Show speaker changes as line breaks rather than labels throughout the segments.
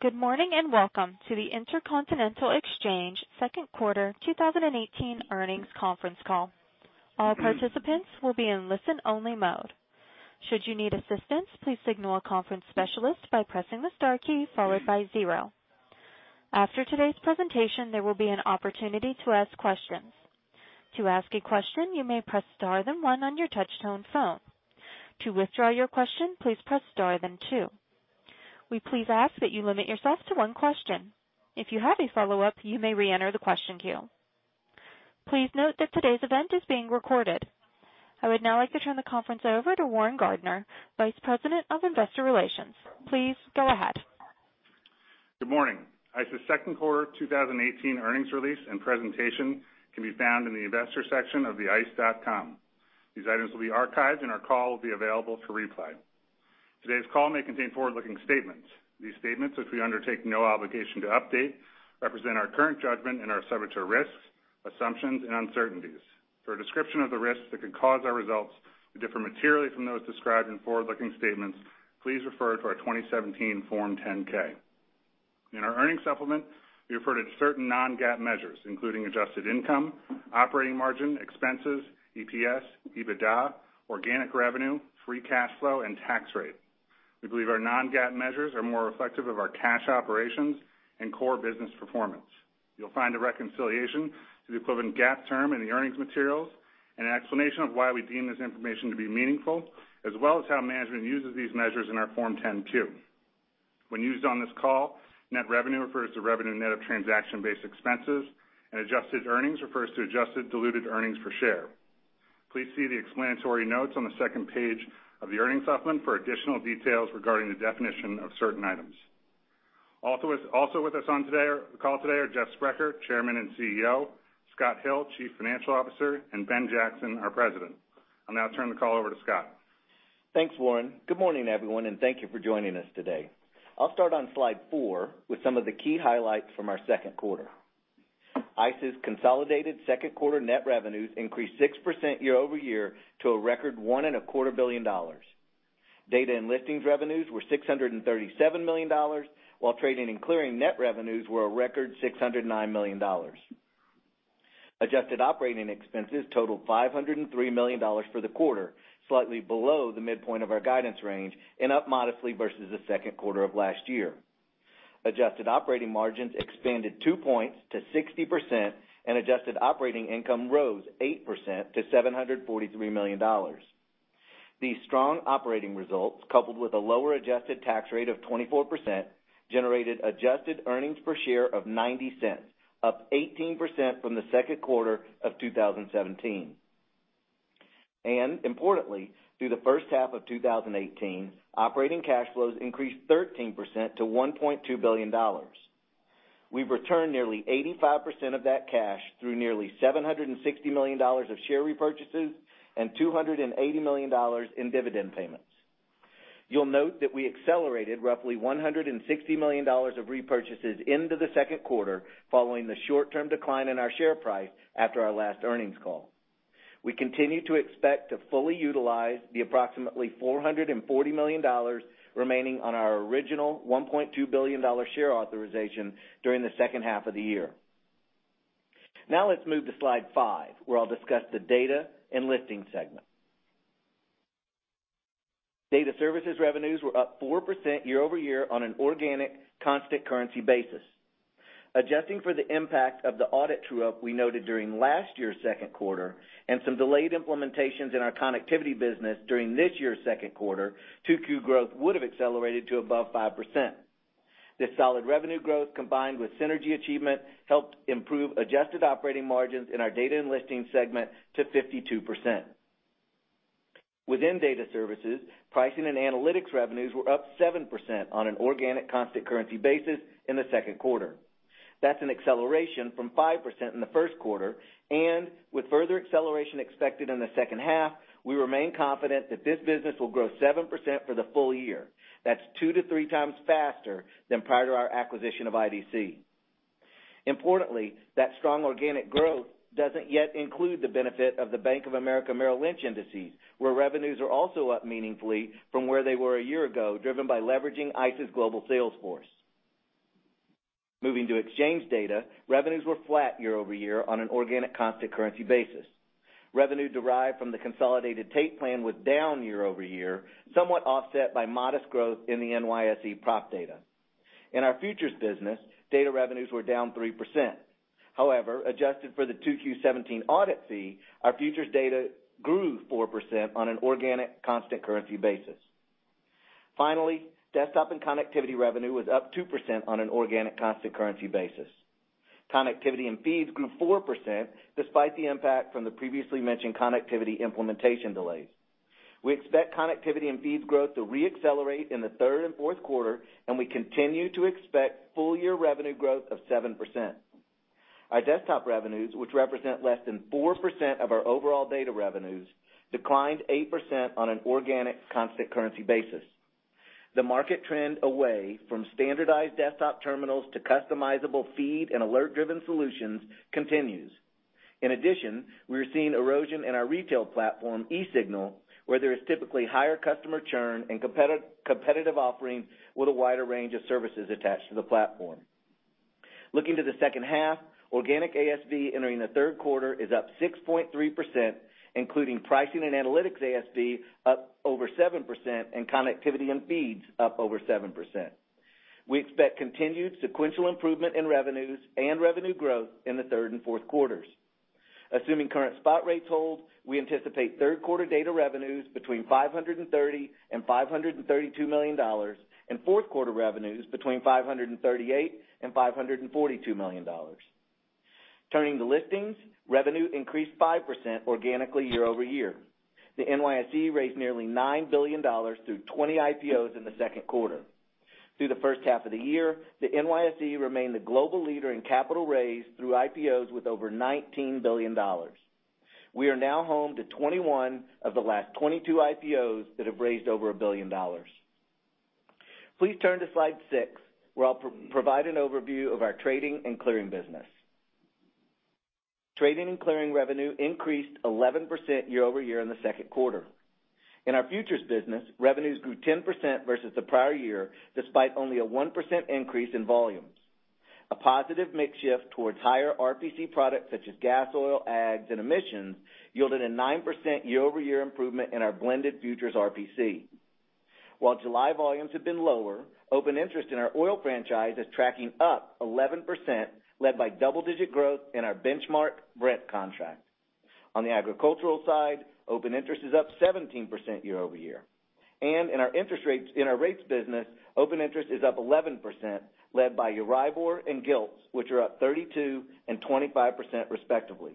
Good morning, and welcome to the Intercontinental Exchange second quarter 2018 earnings conference call. All participants will be in listen-only mode. Should you need assistance, please signal a conference specialist by pressing the star key followed by zero. After today's presentation, there will be an opportunity to ask questions. To ask a question, you may press star, then one on your touch-tone phone. To withdraw your question, please press star, then two. We please ask that you limit yourself to one question. If you have a follow-up, you may reenter the question queue. Please note that today's event is being recorded. I would now like to turn the conference over to Warren Gardiner, Vice President of Investor Relations. Please go ahead.
Good morning. ICE's second quarter 2018 earnings release and presentation can be found in the investor section of the ice.com. These items will be archived, our call will be available for replay. Today's call may contain forward-looking statements. These statements, which we undertake no obligation to update, represent our current judgment and are subject to risks, assumptions, and uncertainties. For a description of the risks that could cause our results to differ materially from those described in forward-looking statements, please refer to our 2017 Form 10-K. In our earnings supplement, we refer to certain non-GAAP measures, including adjusted income, operating margin, expenses, EPS, EBITDA, organic revenue, free cash flow, and tax rate. We believe our non-GAAP measures are more reflective of our cash operations and core business performance. You'll find a reconciliation to the equivalent GAAP term in the earnings materials, an explanation of why we deem this information to be meaningful, as well as how management uses these measures in our Form 10-Q. When used on this call, net revenue refers to revenue net of transaction-based expenses, adjusted earnings refers to adjusted diluted earnings per share. Please see the explanatory notes on the second page of the earnings supplement for additional details regarding the definition of certain items. With us on the call today are Jeff Sprecher, Chairman and CEO, Scott Hill, Chief Financial Officer, and Ben Jackson, our President. I'll now turn the call over to Scott.
Thanks, Warren. Good morning, everyone, thank you for joining us today. I'll start on slide four with some of the key highlights from our second quarter. ICE's consolidated second quarter net revenues increased 6% year-over-year to a record $1.25 billion. Data and listings revenues were $637 million, while trading and clearing net revenues were a record $609 million. Adjusted operating expenses totaled $503 million for the quarter, slightly below the midpoint of our guidance range and up modestly versus the second quarter of last year. Adjusted operating margins expanded two points to 60%, adjusted operating income rose 8% to $743 million. These strong operating results, coupled with a lower adjusted tax rate of 24%, generated adjusted earnings per share of $0.90, up 18% from the second quarter of 2017. Importantly, through the first half of 2018, operating cash flows increased 13% to $1.2 billion. We've returned nearly 85% of that cash through nearly $760 million of share repurchases and $280 million in dividend payments. You'll note that we accelerated roughly $160 million of repurchases into the second quarter following the short-term decline in our share price after our last earnings call. We continue to expect to fully utilize the approximately $440 million remaining on our original $1.2 billion share authorization during the second half of the year. Let's move to slide five, where I'll discuss the data and listings segment. Data services revenues were up 4% year-over-year on an organic constant currency basis. Adjusting for the impact of the audit true-up we noted during last year's second quarter and some delayed implementations in our connectivity business during this year's second quarter, 2Q growth would've accelerated to above 5%. This solid revenue growth, combined with synergy achievement, helped improve adjusted operating margins in our data and listings segment to 52%. Within data services, pricing and analytics revenues were up 7% on an organic constant currency basis in the second quarter. That's an acceleration from 5% in the first quarter, and with further acceleration expected in the second half, we remain confident that this business will grow 7% for the full year. That's two to three times faster than prior to our acquisition of Interactive Data Corporation. Importantly, that strong organic growth doesn't yet include the benefit of the Bank of America Merrill Lynch indices, where revenues are also up meaningfully from where they were a year ago, driven by leveraging ICE's global sales force. To exchange data, revenues were flat year-over-year on an organic constant currency basis. Revenue derived from the Consolidated Tape Plan was down year-over-year, somewhat offset by modest growth in the NYSE prop data. Our futures business, data revenues were down 3%. Adjusted for the 2Q17 audit fee, our futures data grew 4% on an organic constant currency basis. Desktop and connectivity revenue was up 2% on an organic constant currency basis. Connectivity and feeds grew 4%, despite the impact from the previously mentioned connectivity implementation delays. We expect connectivity and feeds growth to reaccelerate in the third and fourth quarter, and we continue to expect full-year revenue growth of 7%. Our desktop revenues, which represent less than 4% of our overall data revenues, declined 8% on an organic constant currency basis. The market trend away from standardized desktop terminals to customizable feed and alert-driven solutions continues. In addition, we are seeing erosion in our retail platform, eSignal, where there is typically higher customer churn and competitive offerings with a wider range of services attached to the platform. To the second half, organic ASV entering the third quarter is up 6.3%, including pricing and analytics ASV up over 7% and connectivity and feeds up over 7%. We expect continued sequential improvement in revenues and revenue growth in the third and fourth quarters. Assuming current spot rates hold, we anticipate third quarter data revenues between $530 million-$532 million, and fourth quarter revenues between $538 million-$542 million. To listings, revenue increased 5% organically year-over-year. The NYSE raised nearly $9 billion through 20 IPOs in the second quarter. Through the first half of the year, the NYSE remained the global leader in capital raised through IPOs with over $19 billion. We are now home to 21 of the last 22 IPOs that have raised over $1 billion. Please turn to Slide Six, where I'll provide an overview of our trading and clearing business. Trading and clearing revenue increased 11% year-over-year in the second quarter. In our futures business, revenues grew 10% versus the prior year, despite only a 1% increase in volumes. A positive mix shift towards higher RPC products such as Gas oil, ags, and emissions yielded a 9% year-over-year improvement in our blended futures RPC. While July volumes have been lower, open interest in our oil franchise is tracking up 11%, led by double-digit growth in our benchmark Brent contract. On the agricultural side, open interest is up 17% year-over-year. In our rates business, open interest is up 11%, led by EURIBOR and Gilts, which are up 32% and 25%, respectively.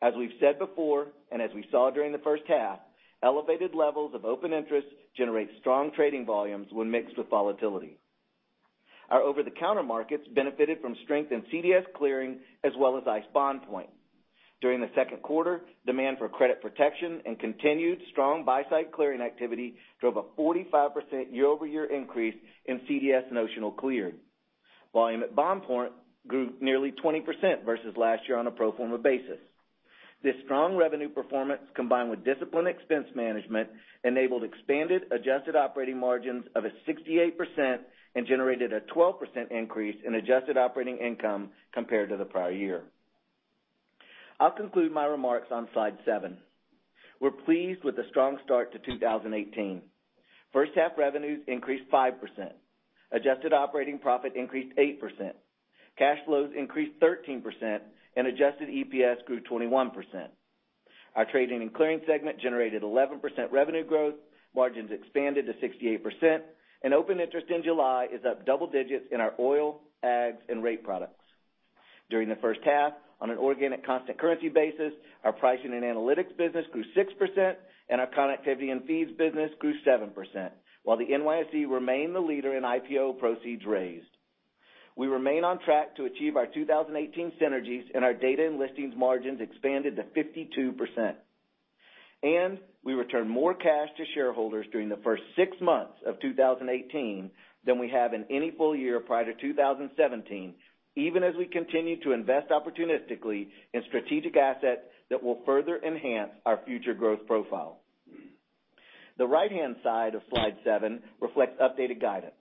As we've said before, as we saw during the first half, elevated levels of open interest generate strong trading volumes when mixed with volatility. Our over-the-counter markets benefited from strength in CDS clearing as well as ICE BondPoint. During the second quarter, demand for credit protection and continued strong buy-side clearing activity drove a 45% year-over-year increase in CDS notional cleared. Volume at BondPoint grew nearly 20% versus last year on a pro forma basis. This strong revenue performance, combined with disciplined expense management, enabled expanded adjusted operating margins of 68% and generated a 12% increase in adjusted operating income compared to the prior year. I'll conclude my remarks on Slide Seven. We're pleased with the strong start to 2018. First half revenues increased 5%. Adjusted operating profit increased 8%. Cash flows increased 13%. Adjusted EPS grew 21%. Our trading and clearing segment generated 11% revenue growth, margins expanded to 68%. Open interest in July is up double digits in our oil, ags, and rate products. During the first half, on an organic constant currency basis, our pricing and analytics business grew 6%. Our connectivity and feeds business grew 7%, while the NYSE remained the leader in IPO proceeds raised. We remain on track to achieve our 2018 synergies. Our data and listings margins expanded to 52%. We returned more cash to shareholders during the first six months of 2018 than we have in any full year prior to 2017, even as we continue to invest opportunistically in strategic assets that will further enhance our future growth profile. The right-hand side of Slide Seven reflects updated guidance.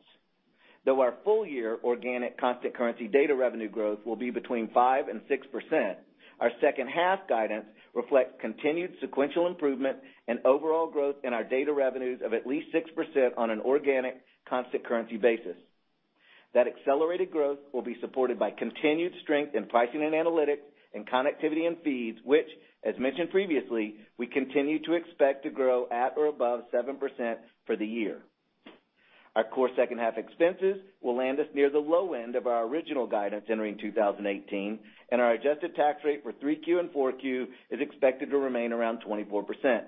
Though our full year organic constant currency data revenue growth will be between 5% and 6%, our second half guidance reflects continued sequential improvement and overall growth in our data revenues of at least 6% on an organic constant currency basis. That accelerated growth will be supported by continued strength in pricing and analytics and connectivity and feeds, which, as mentioned previously, we continue to expect to grow at or above 7% for the year. Our core second half expenses will land us near the low end of our original guidance entering 2018. Our adjusted tax rate for 3Q and 4Q is expected to remain around 24%.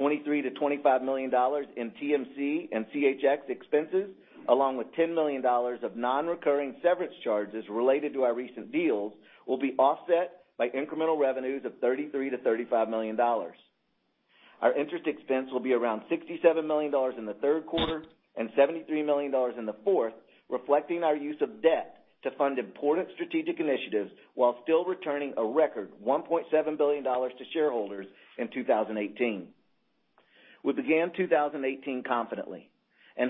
$23 million-$25 million in TMC and CHX expenses, along with $10 million of non-recurring severance charges related to our recent deals, will be offset by incremental revenues of $33 million-$35 million. Our interest expense will be around $67 million in the third quarter and $73 million in the fourth, reflecting our use of debt to fund important strategic initiatives while still returning a record $1.7 billion to shareholders in 2018.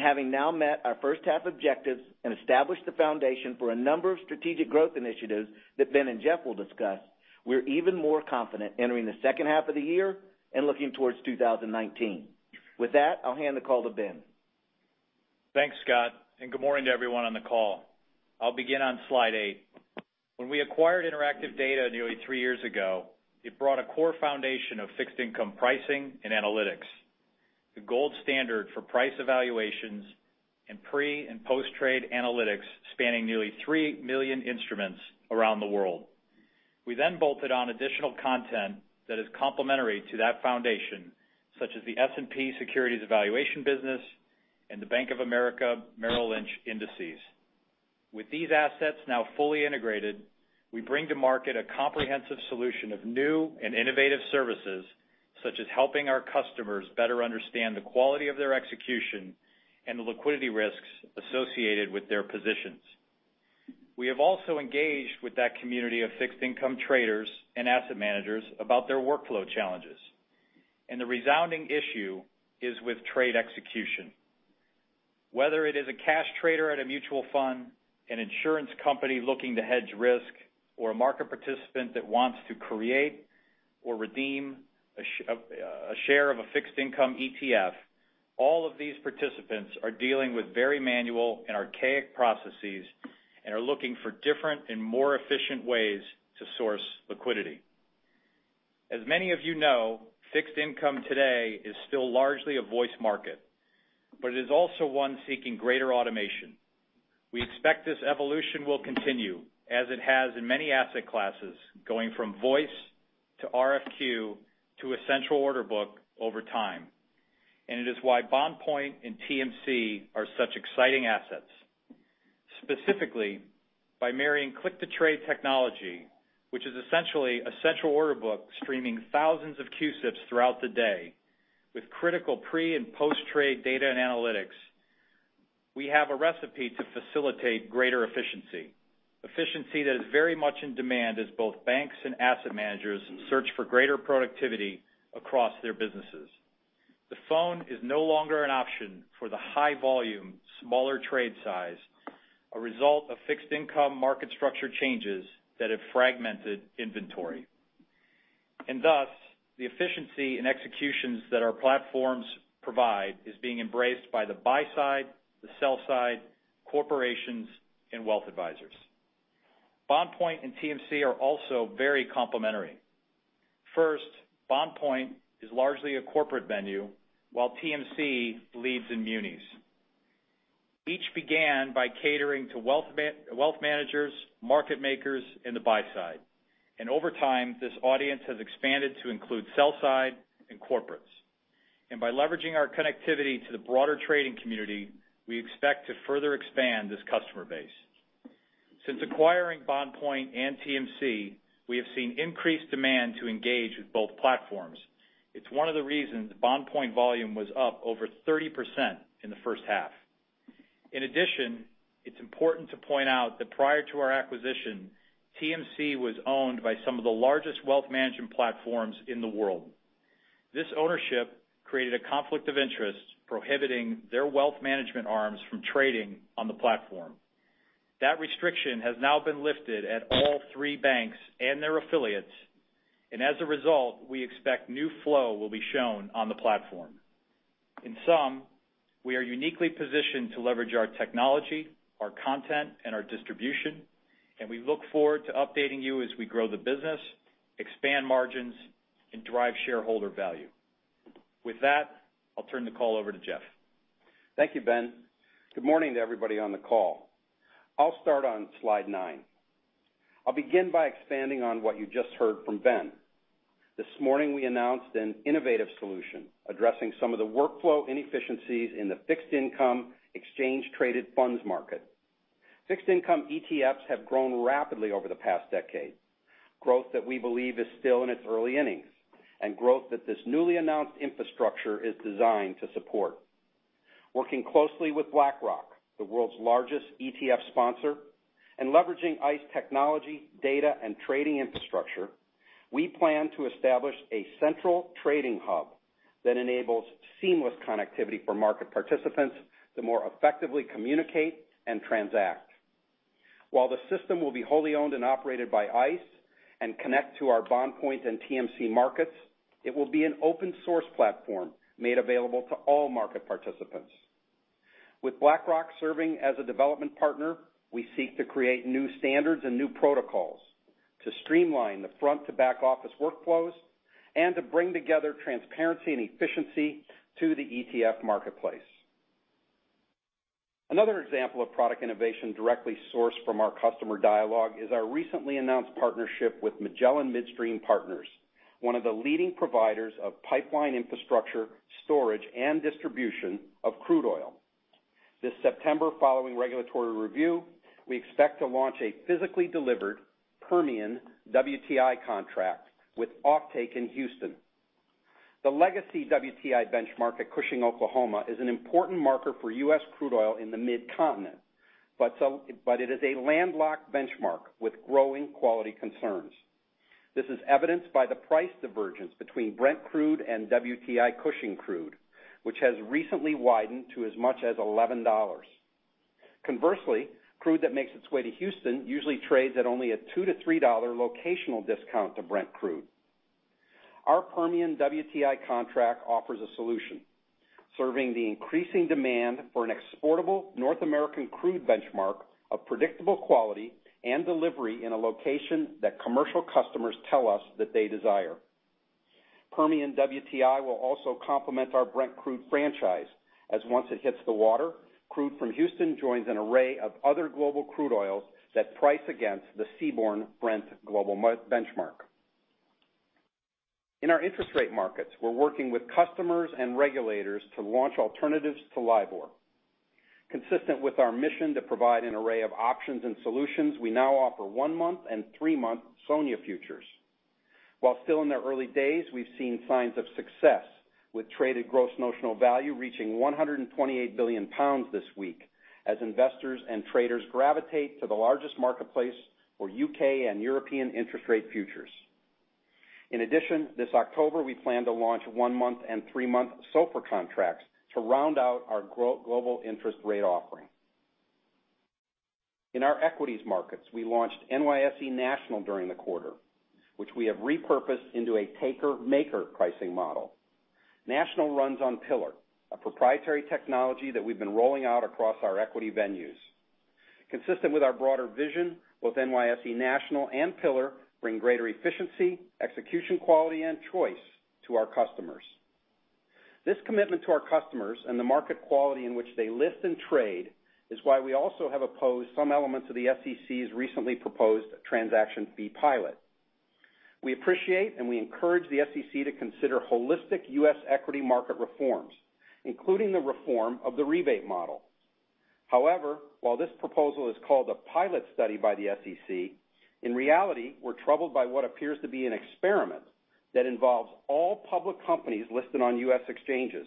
Having now met our first half objectives and established the foundation for a number of strategic growth initiatives that Ben and Jeff will discuss, we're even more confident entering the second half of the year and looking towards 2019. With that, I'll hand the call to Ben.
Thanks, Scott. Good morning to everyone on the call. I'll begin on Slide Eight. When we acquired Interactive Data nearly three years ago, it brought a core foundation of fixed income pricing and analytics, the gold standard for price evaluations and pre- and post-trade analytics spanning nearly three million instruments around the world. We bolted on additional content that is complementary to that foundation, such as the S&P Securities Evaluation business and the Bank of America Merrill Lynch Indices. With these assets now fully integrated, we bring to market a comprehensive solution of new and innovative services such as helping our customers better understand the quality of their execution and the liquidity risks associated with their positions. We have also engaged with that community of fixed income traders and asset managers about their workflow challenges. The resounding issue is with trade execution. Whether it is a cash trader at a mutual fund, an insurance company looking to hedge risk, or a market participant that wants to create or redeem a share of a fixed income ETF, all of these participants are dealing with very manual and archaic processes and are looking for different and more efficient ways to source liquidity. As many of you know, fixed income today is still largely a voice market. It is also one seeking greater automation. We expect this evolution will continue as it has in many asset classes, going from voice to RFQ to a central order book over time. It is why Bond Point and TMC are such exciting assets. Specifically, by marrying click-to-trade technology, which is essentially a central order book streaming thousands of CUSIPs throughout the day, with critical pre- and post-trade data and analytics, we have a recipe to facilitate greater efficiency. Efficiency that is very much in demand as both banks and asset managers search for greater productivity across their businesses. The phone is no longer an option for the high volume, smaller trade size, a result of fixed income market structure changes that have fragmented inventory. Thus, the efficiency and executions that our platforms provide is being embraced by the buy side, the sell side, corporations, and wealth advisors. Bond Point and TMC are also very complementary. First, Bond Point is largely a corporate venue, while TMC leads in munis. Each began by catering to wealth managers, market makers, and the buy side. Over time, this audience has expanded to include sell side and corporates. By leveraging our connectivity to the broader trading community, we expect to further expand this customer base. Since acquiring BondPoint and TMC, we have seen increased demand to engage with both platforms. It's one of the reasons BondPoint volume was up over 30% in the first half. In addition, it's important to point out that prior to our acquisition, TMC was owned by some of the largest wealth management platforms in the world. This ownership created a conflict of interest prohibiting their wealth management arms from trading on the platform. That restriction has now been lifted at all three banks and their affiliates. As a result, we expect new flow will be shown on the platform. In sum, we are uniquely positioned to leverage our technology, our content, and our distribution, and we look forward to updating you as we grow the business, expand margins, and drive shareholder value. With that, I'll turn the call over to Jeff.
Thank you, Ben. Good morning to everybody on the call. I'll start on slide nine. I'll begin by expanding on what you just heard from Ben. This morning, we announced an innovative solution addressing some of the workflow inefficiencies in the fixed income exchange traded funds market. Fixed income ETFs have grown rapidly over the past decade. Growth that we believe is still in its early innings, and growth that this newly announced infrastructure is designed to support. Working closely with BlackRock, the world's largest ETF sponsor, and leveraging ICE technology, data, and trading infrastructure, we plan to establish a central trading hub that enables seamless connectivity for market participants to more effectively communicate and transact. While the system will be wholly owned and operated by ICE and connect to our BondPoint and TMC markets, it will be an open source platform made available to all market participants. With BlackRock serving as a development partner, we seek to create new standards and new protocols to streamline the front to back office workflows and to bring together transparency and efficiency to the ETF marketplace. Another example of product innovation directly sourced from our customer dialogue is our recently announced partnership with Magellan Midstream Partners, one of the leading providers of pipeline infrastructure, storage, and distribution of crude oil. This September, following regulatory review, we expect to launch a physically delivered Permian WTI contract with offtake in Houston. The legacy WTI benchmark at Cushing, Oklahoma, is an important marker for U.S. crude oil in the mid-continent. It is a landlocked benchmark with growing quality concerns. This is evidenced by the price divergence between Brent Crude and WTI Cushing crude, which has recently widened to as much as $11. Conversely, crude that makes its way to Houston usually trades at only a $2-$3 locational discount to Brent Crude. Our Permian WTI contract offers a solution, serving the increasing demand for an exportable North American crude benchmark of predictable quality and delivery in a location that commercial customers tell us that they desire. Permian WTI will also complement our Brent Crude franchise, as once it hits the water, crude from Houston joins an array of other global crude oils that price against the seaborne Brent global benchmark. In our interest rate markets, we're working with customers and regulators to launch alternatives to LIBOR. Consistent with our mission to provide an array of options and solutions, we now offer one month and three month SONIA futures. While still in their early days, we've seen signs of success with traded gross notional value reaching 128 billion pounds this week, as investors and traders gravitate to the largest marketplace for U.K. and European interest rate futures. In addition, this October, we plan to launch one month and three month SOFR contracts to round out our global interest rate offering. In our equities markets, we launched NYSE National during the quarter, which we have repurposed into a taker-maker pricing model. National runs on Pillar, a proprietary technology that we've been rolling out across our equity venues. Consistent with our broader vision, both NYSE National and Pillar bring greater efficiency, execution quality, and choice to our customers. This commitment to our customers and the market quality in which they list and trade is why we also have opposed some elements of the SEC's recently proposed transaction fee pilot. We appreciate and we encourage the SEC to consider holistic U.S. equity market reforms, including the reform of the rebate model. However, while this proposal is called a pilot study by the SEC, in reality, we're troubled by what appears to be an experiment that involves all public companies listed on U.S. exchanges.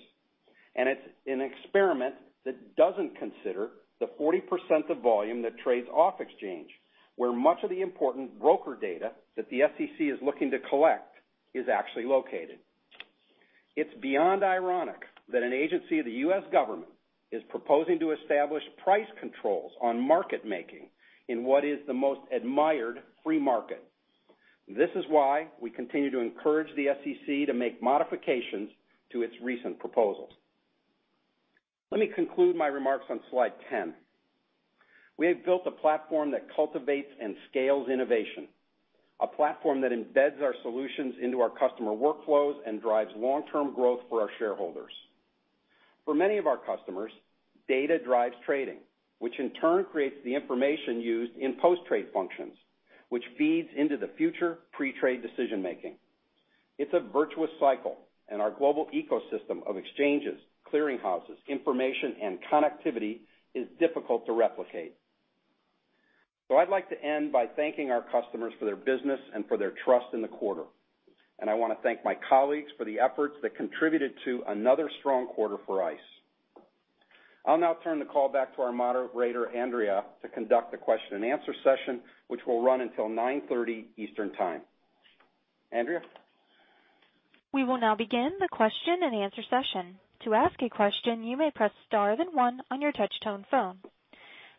It's an experiment that doesn't consider the 40% of volume that trades off exchange, where much of the important broker data that the SEC is looking to collect is actually located. It's beyond ironic that an agency of the U.S. government is proposing to establish price controls on market making in what is the most admired free market. This is why we continue to encourage the SEC to make modifications to its recent proposals. Let me conclude my remarks on slide 10. We have built a platform that cultivates and scales innovation, a platform that embeds our solutions into our customer workflows and drives long-term growth for our shareholders. For many of our customers, data drives trading, which in turn creates the information used in post-trade functions, which feeds into the future pre-trade decision making. It's a virtuous cycle, our global ecosystem of exchanges, clearing houses, information, and connectivity is difficult to replicate. I'd like to end by thanking our customers for their business and for their trust in the quarter, and I want to thank my colleagues for the efforts that contributed to another strong quarter for ICE. I'll now turn the call back to our moderator, Andrea, to conduct the question and answer session, which will run until 9:30 A.M. Eastern Time. Andrea?
We will now begin the question and answer session. To ask a question, you may press star, then one on your touchtone phone.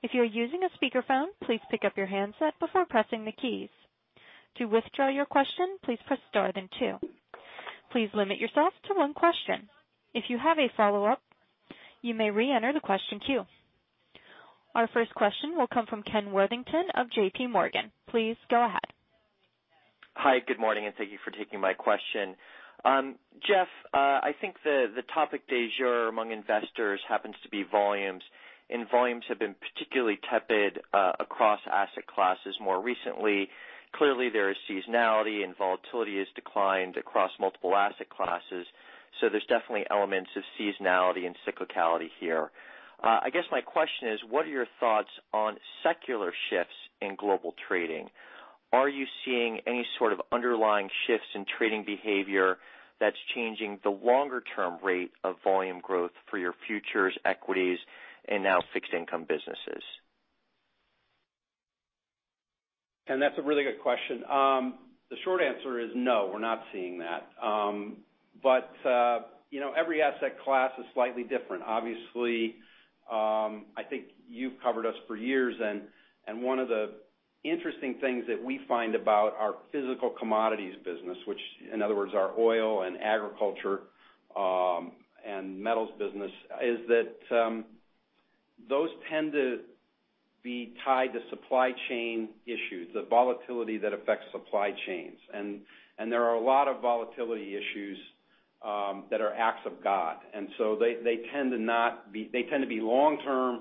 If you're using a speakerphone, please pick up your handset before pressing the keys. To withdraw your question, please press star, then two. Please limit yourself to one question. If you have a follow-up, you may reenter the question queue. Our first question will come from Ken Worthington of JPMorgan. Please go ahead.
Hi, good morning, thank you for taking my question. Jeff, I think the topic du jour among investors happens to be volumes have been particularly tepid, across asset classes more recently. Clearly, there is seasonality, volatility has declined across multiple asset classes, there's definitely elements of seasonality and cyclicality here. I guess my question is, what are your thoughts on secular shifts in global trading? Are you seeing any sort of underlying shifts in trading behavior that's changing the longer-term rate of volume growth for your futures, equities, and now fixed income businesses?
That's a really good question. The short answer is no, we're not seeing that. Every asset class is slightly different. Obviously, I think you've covered us for years, one of the interesting things that we find about our physical commodities business, which, in other words, our oil and agriculture, and metals business, is that those tend to be tied to supply chain issues, the volatility that affects supply chains. There are a lot of volatility issues that are acts of God. They tend to be long-term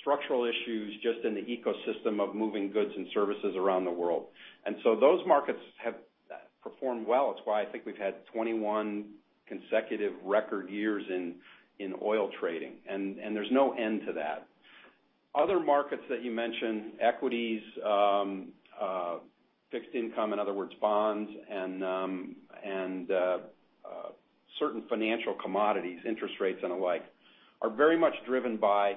structural issues just in the ecosystem of moving goods and services around the world. Those markets have performed well. It's why I think we've had 21 consecutive record years in oil trading, there's no end to that. Other markets that you mentioned, equities, fixed income, in other words, bonds, and certain financial commodities, interest rates, and the like, are very much driven by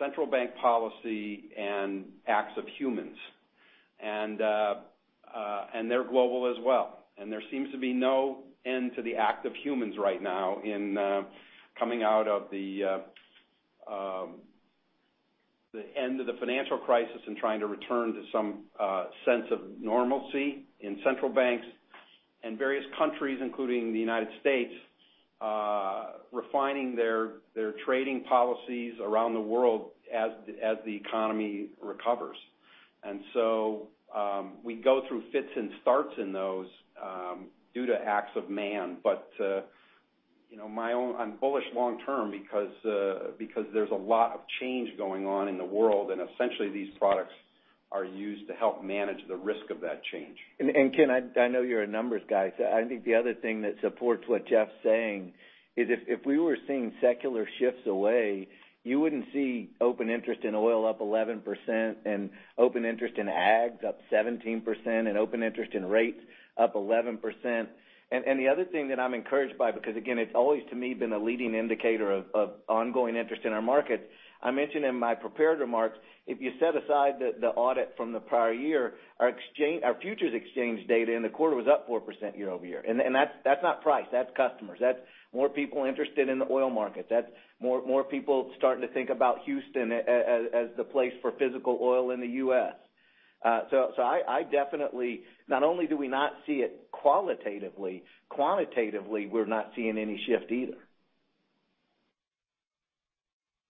central bank policy and acts of humans. They're global as well. There seems to be no end to the act of humans right now in coming out of the end of the financial crisis and trying to return to some sense of normalcy in central banks and various countries, including the United States, refining their trading policies around the world as the economy recovers. We go through fits and starts in those due to acts of man. I'm bullish long term because there's a lot of change going on in the world, and essentially these products are used to help manage the risk of that change.
Ken, I know you're a numbers guy, so I think the other thing that supports what Jeff's saying is if we were seeing secular shifts away, you wouldn't see open interest in oil up 11% and open interest in ag up 17% and open interest in rates up 11%. The other thing that I'm encouraged by, because again, it's always to me been a leading indicator of ongoing interest in our markets, I mentioned in my prepared remarks, if you set aside the audit from the prior year, our futures exchange data in the quarter was up 4% year-over-year. That's not price, that's customers. That's more people interested in the oil market. That's more people starting to think about Houston as the place for physical oil in the U.S. I definitely, not only do we not see it qualitatively, quantitatively, we're not seeing any shift either.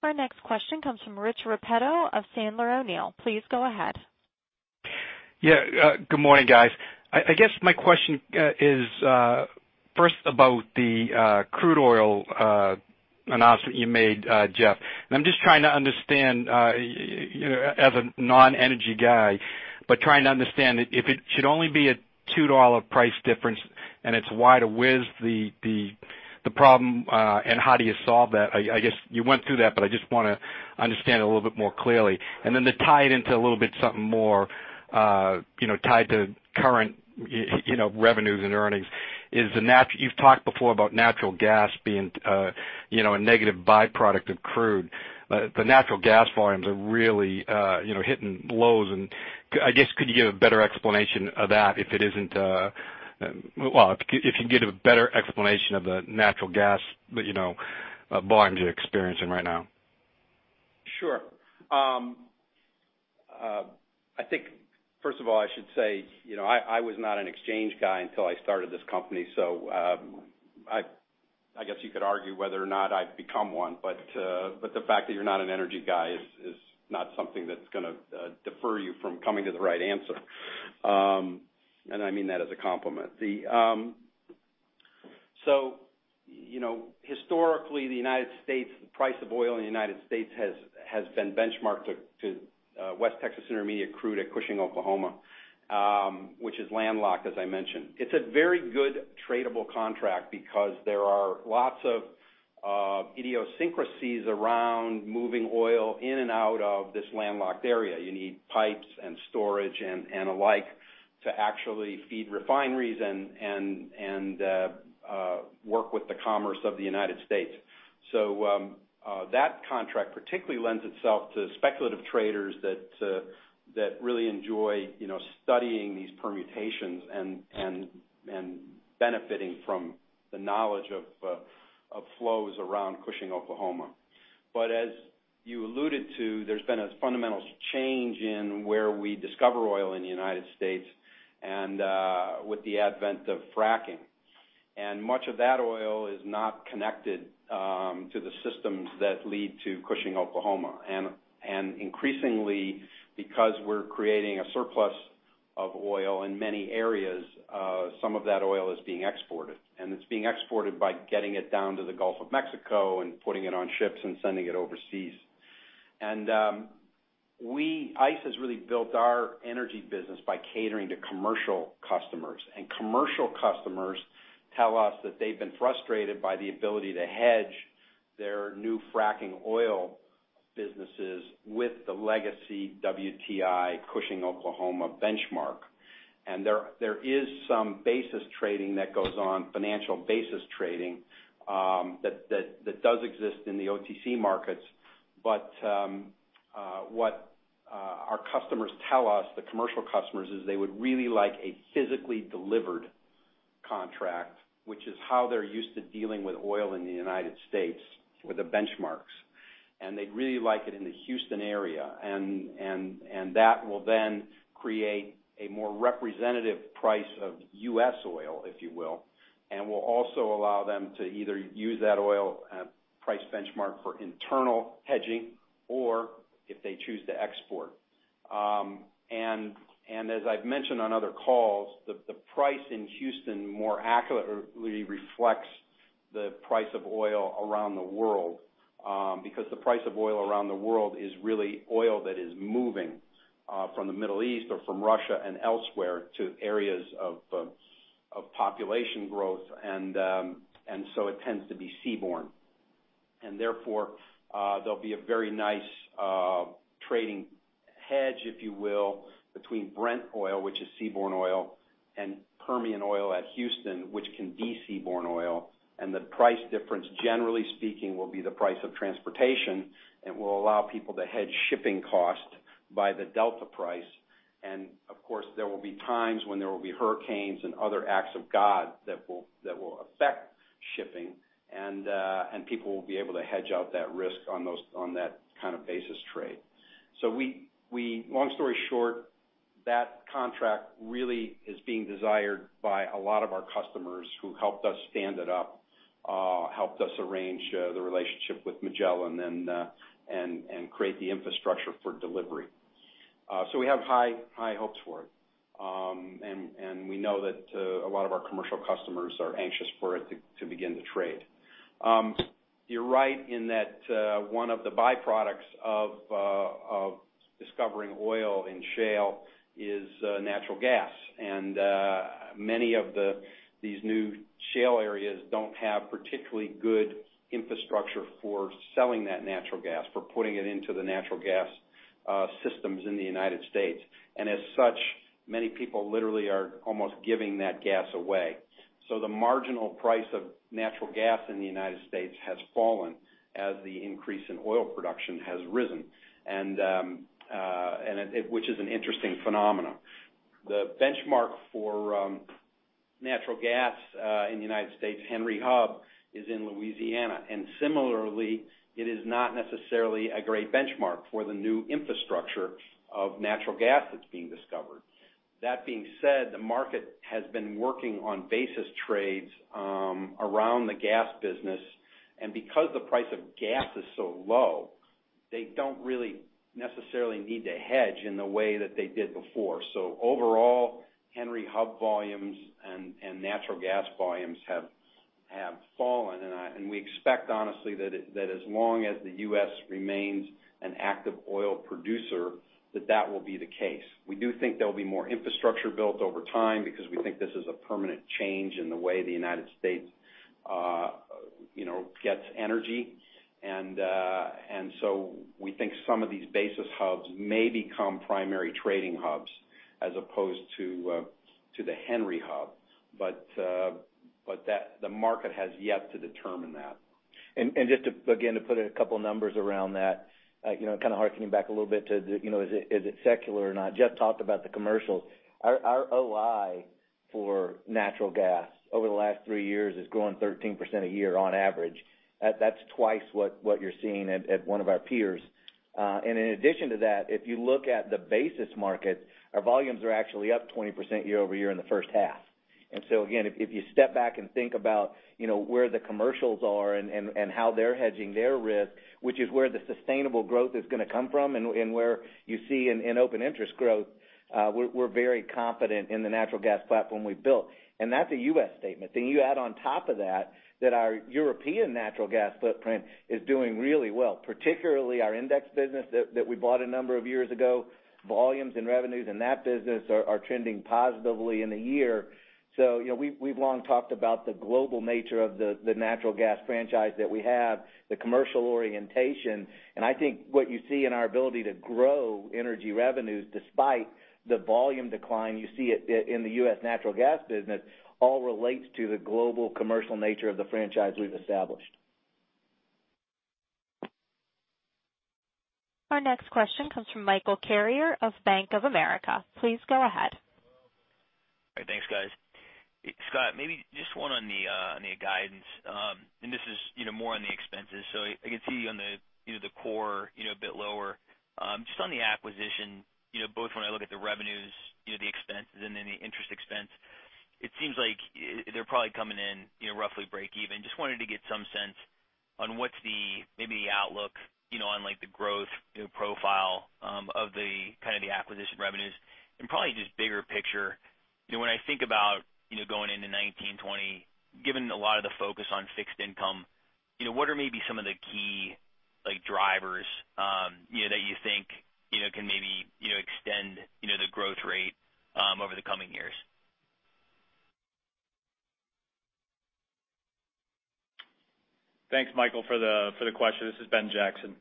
Our next question comes from Rich Repetto of Sandler O'Neill. Please go ahead.
Good morning, guys. I guess my question is, first about the crude oil announcement you made, Jeff. I'm just trying to understand, as a non-energy guy, but trying to understand if it should only be a $2 price difference and it's wide of what is the problem, and how do you solve that? I guess you went through that, but I just want to understand it a little bit more clearly. Then to tie it into a little bit something more, tied to current revenues and earnings is the You've talked before about natural gas being a negative byproduct of crude. The natural gas volumes are really hitting lows and I guess could you give a better explanation of that? Well, if you could give a better explanation of the natural gas volumes you're experiencing right now?
Sure. I think first of all, I should say, I was not an exchange guy until I started this company. I guess you could argue whether or not I've become one, but the fact that you're not an energy guy is not something that's going to defer you from coming to the right answer. I mean that as a compliment. Historically, the United States, the price of oil in the United States has been benchmarked to West Texas Intermediate crude at Cushing, Oklahoma, which is landlocked, as I mentioned. It's a very good tradable contract because there are lots of idiosyncrasies around moving oil in and out of this landlocked area. You need pipes and storage and alike to actually feed refineries and work with the commerce of the United States. That contract particularly lends itself to speculative traders that really enjoy studying these permutations and benefiting from the knowledge of flows around Cushing, Oklahoma. As you alluded to, there's been a fundamental change in where we discover oil in the United States and with the advent of fracking. Much of that oil is not connected to the systems that lead to Cushing, Oklahoma. Increasingly, because we're creating a surplus of oil in many areas, some of that oil is being exported. It's being exported by getting it down to the Gulf of Mexico and putting it on ships and sending it overseas. ICE has really built our energy business by catering to commercial customers, and commercial customers tell us that they've been frustrated by the ability to hedge their new fracking oil businesses with the legacy WTI Cushing, Oklahoma benchmark. There is some basis trading that goes on, financial basis trading, that does exist in the OTC markets. What our customers tell us, the commercial customers, is they would really like a physically delivered contract, which is how they're used to dealing with oil in the United States with the benchmarks. They'd really like it in the Houston area, and that will then create a more representative price of U.S. oil, if you will, and will also allow them to either use that oil price benchmark for internal hedging or if they choose to export. As I've mentioned on other calls, the price in Houston more accurately reflects the price of oil around the world, because the price of oil around the world is really oil that is moving from the Middle East or from Russia and elsewhere to areas of population growth. It tends to be seaborne. Therefore, there'll be a very nice trading hedge, if you will, between Brent, which is seaborne oil, and Permian WTI at Houston, which can be seaborne oil. The price difference, generally speaking, will be the price of transportation and will allow people to hedge shipping costs by the delta price. Of course, there will be times when there will be hurricanes and other acts of God that will affect shipping and people will be able to hedge out that risk on that kind of basis trade. Long story short, that contract really is being desired by a lot of our customers who helped us stand it up, helped us arrange the relationship with Magellan and create the infrastructure for delivery. We have high hopes for it. We know that a lot of our commercial customers are anxious for it to begin to trade. You're right in that one of the byproducts of discovering oil in shale is natural gas. Many of these new shale areas don't have particularly good infrastructure for selling that natural gas, for putting it into the natural gas systems in the United States. As such, many people literally are almost giving that gas away. The marginal price of natural gas in the United States has fallen as the increase in oil production has risen, which is an interesting phenomenon. The benchmark for natural gas in the United States, Henry Hub, is in Louisiana. Similarly, it is not necessarily a great benchmark for the new infrastructure of natural gas that's being discovered. That being said, the market has been working on basis trades around the gas business. Because the price of gas is so low, they don't really necessarily need to hedge in the way that they did before. Overall, Henry Hub volumes and natural gas volumes have fallen. We expect, honestly, that as long as the U.S. remains an active oil producer, that that will be the case. We do think there'll be more infrastructure built over time because we think this is a permanent change in the way the United States gets energy. We think some of these basis hubs may become primary trading hubs as opposed to the Henry Hub. The market has yet to determine that.
Just to, again, to put a couple of numbers around that, kind of hearkening back a little bit to, is it secular or not? Jeff talked about the commercials. Our OI for natural gas over the last 3 years has grown 13% a year on average. That's twice what you're seeing at one of our peers. In addition to that, if you look at the basis market, our volumes are actually up 20% year-over-year in the first half. Again, if you step back and think about where the commercials are and how they're hedging their risk, which is where the sustainable growth is going to come from and where you see an open interest growth, we're very confident in the natural gas platform we've built. That's a U.S. statement. You add on top of that our European natural gas footprint is doing really well, particularly our index business that we bought a number of years ago. Volumes and revenues in that business are trending positively in the year. We've long talked about the global nature of the natural gas franchise that we have, the commercial orientation. I think what you see in our ability to grow energy revenues despite the volume decline you see in the U.S. natural gas business all relates to the global commercial nature of the franchise we've established.
Our next question comes from Michael Carrier of Bank of America. Please go ahead.
All right. Thanks, guys. Scott, maybe just one on the guidance. This is more on the expenses. I can see on the core, a bit lower. Just on the acquisition, both when I look at the revenues, the expenses, and then the interest expense, it seems like they're probably coming in roughly breakeven. Just wanted to get some sense on what's maybe the outlook on the growth profile of the acquisition revenues. Probably just bigger picture, when I think about going into 2019, 2020, given a lot of the focus on fixed income, what are maybe some of the key drivers that you think can maybe extend the growth rate over the coming years?
Thanks, Michael, for the question. This is Ben Jackson.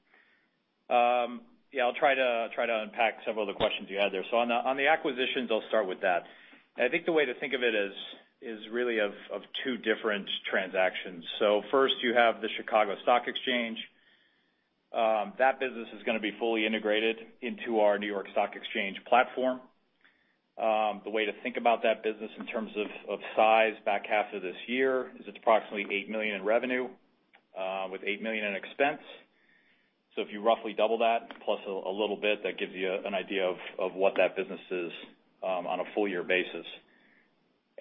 Yeah, I'll try to unpack some of the questions you had there. On the acquisitions, I'll start with that. I think the way to think of it is really of two different transactions. First, you have the Chicago Stock Exchange. That business is going to be fully integrated into our New York Stock Exchange platform. The way to think about that business in terms of size back half of this year is it's approximately $8 million in revenue with $8 million in expense. If you roughly double that plus a little bit, that gives you an idea of what that business is on a full-year basis.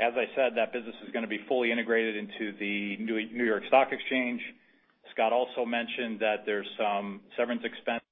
As I said, that business is going to be fully integrated into the New York Stock Exchange. Scott also mentioned that there's some severance expense-
Okay.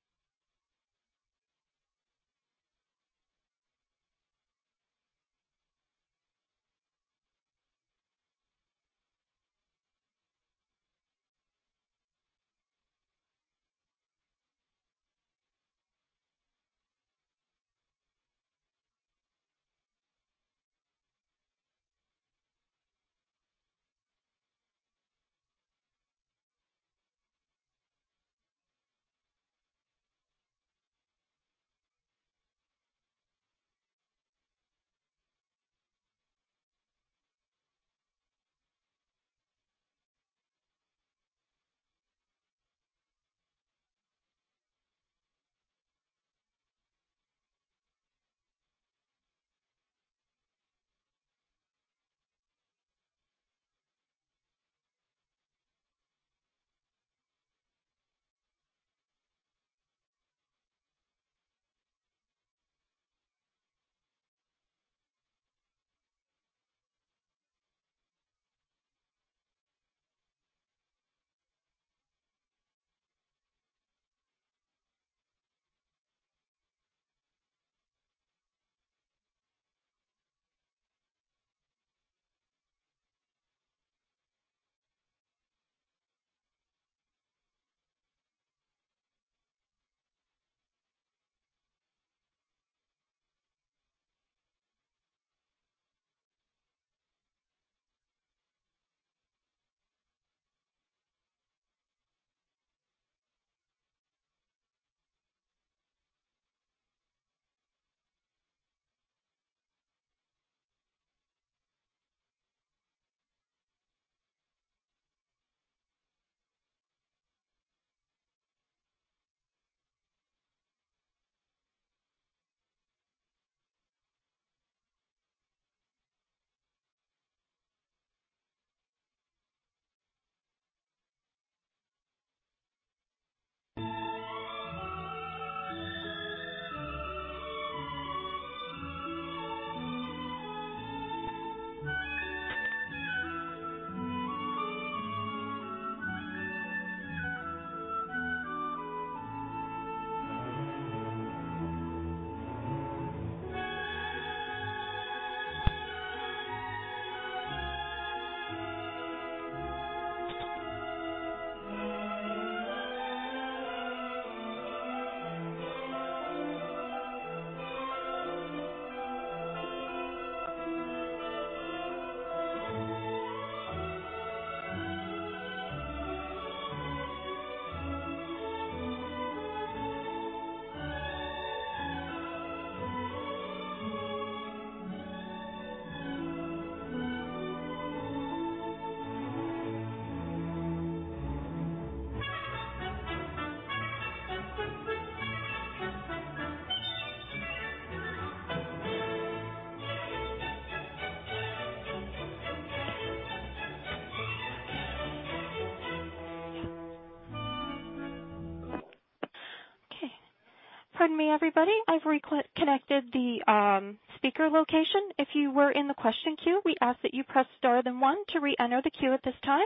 Pardon me, everybody. I've reconnected the speaker location. If you were in the question queue, we ask that you press star then one to re-enter the queue at this time,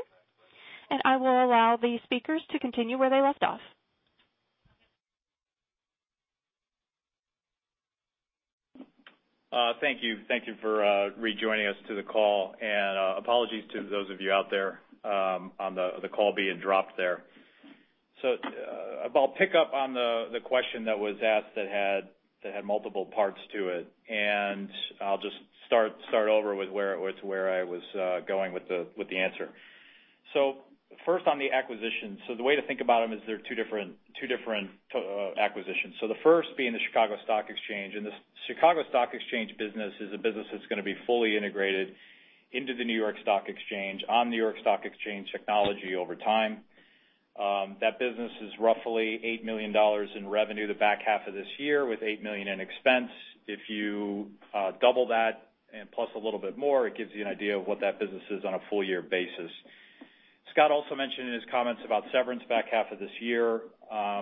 I will allow the speakers to continue where they left off.
Thank you for rejoining us to the call. Apologies to those of you out there on the call being dropped there. I'll pick up on the question that was asked that had multiple parts to it, I'll just start over with where I was going with the answer. First, on the acquisition. The way to think about them is they're two different acquisitions. The first being the Chicago Stock Exchange. The Chicago Stock Exchange business is a business that's going to be fully integrated into the New York Stock Exchange on New York Stock Exchange technology over time. That business is roughly $8 million in revenue the back half of this year, with $8 million in expense. If you double that and plus a little bit more, it gives you an idea of what that business is on a full-year basis. Scott also mentioned in his comments about severance back half of this year.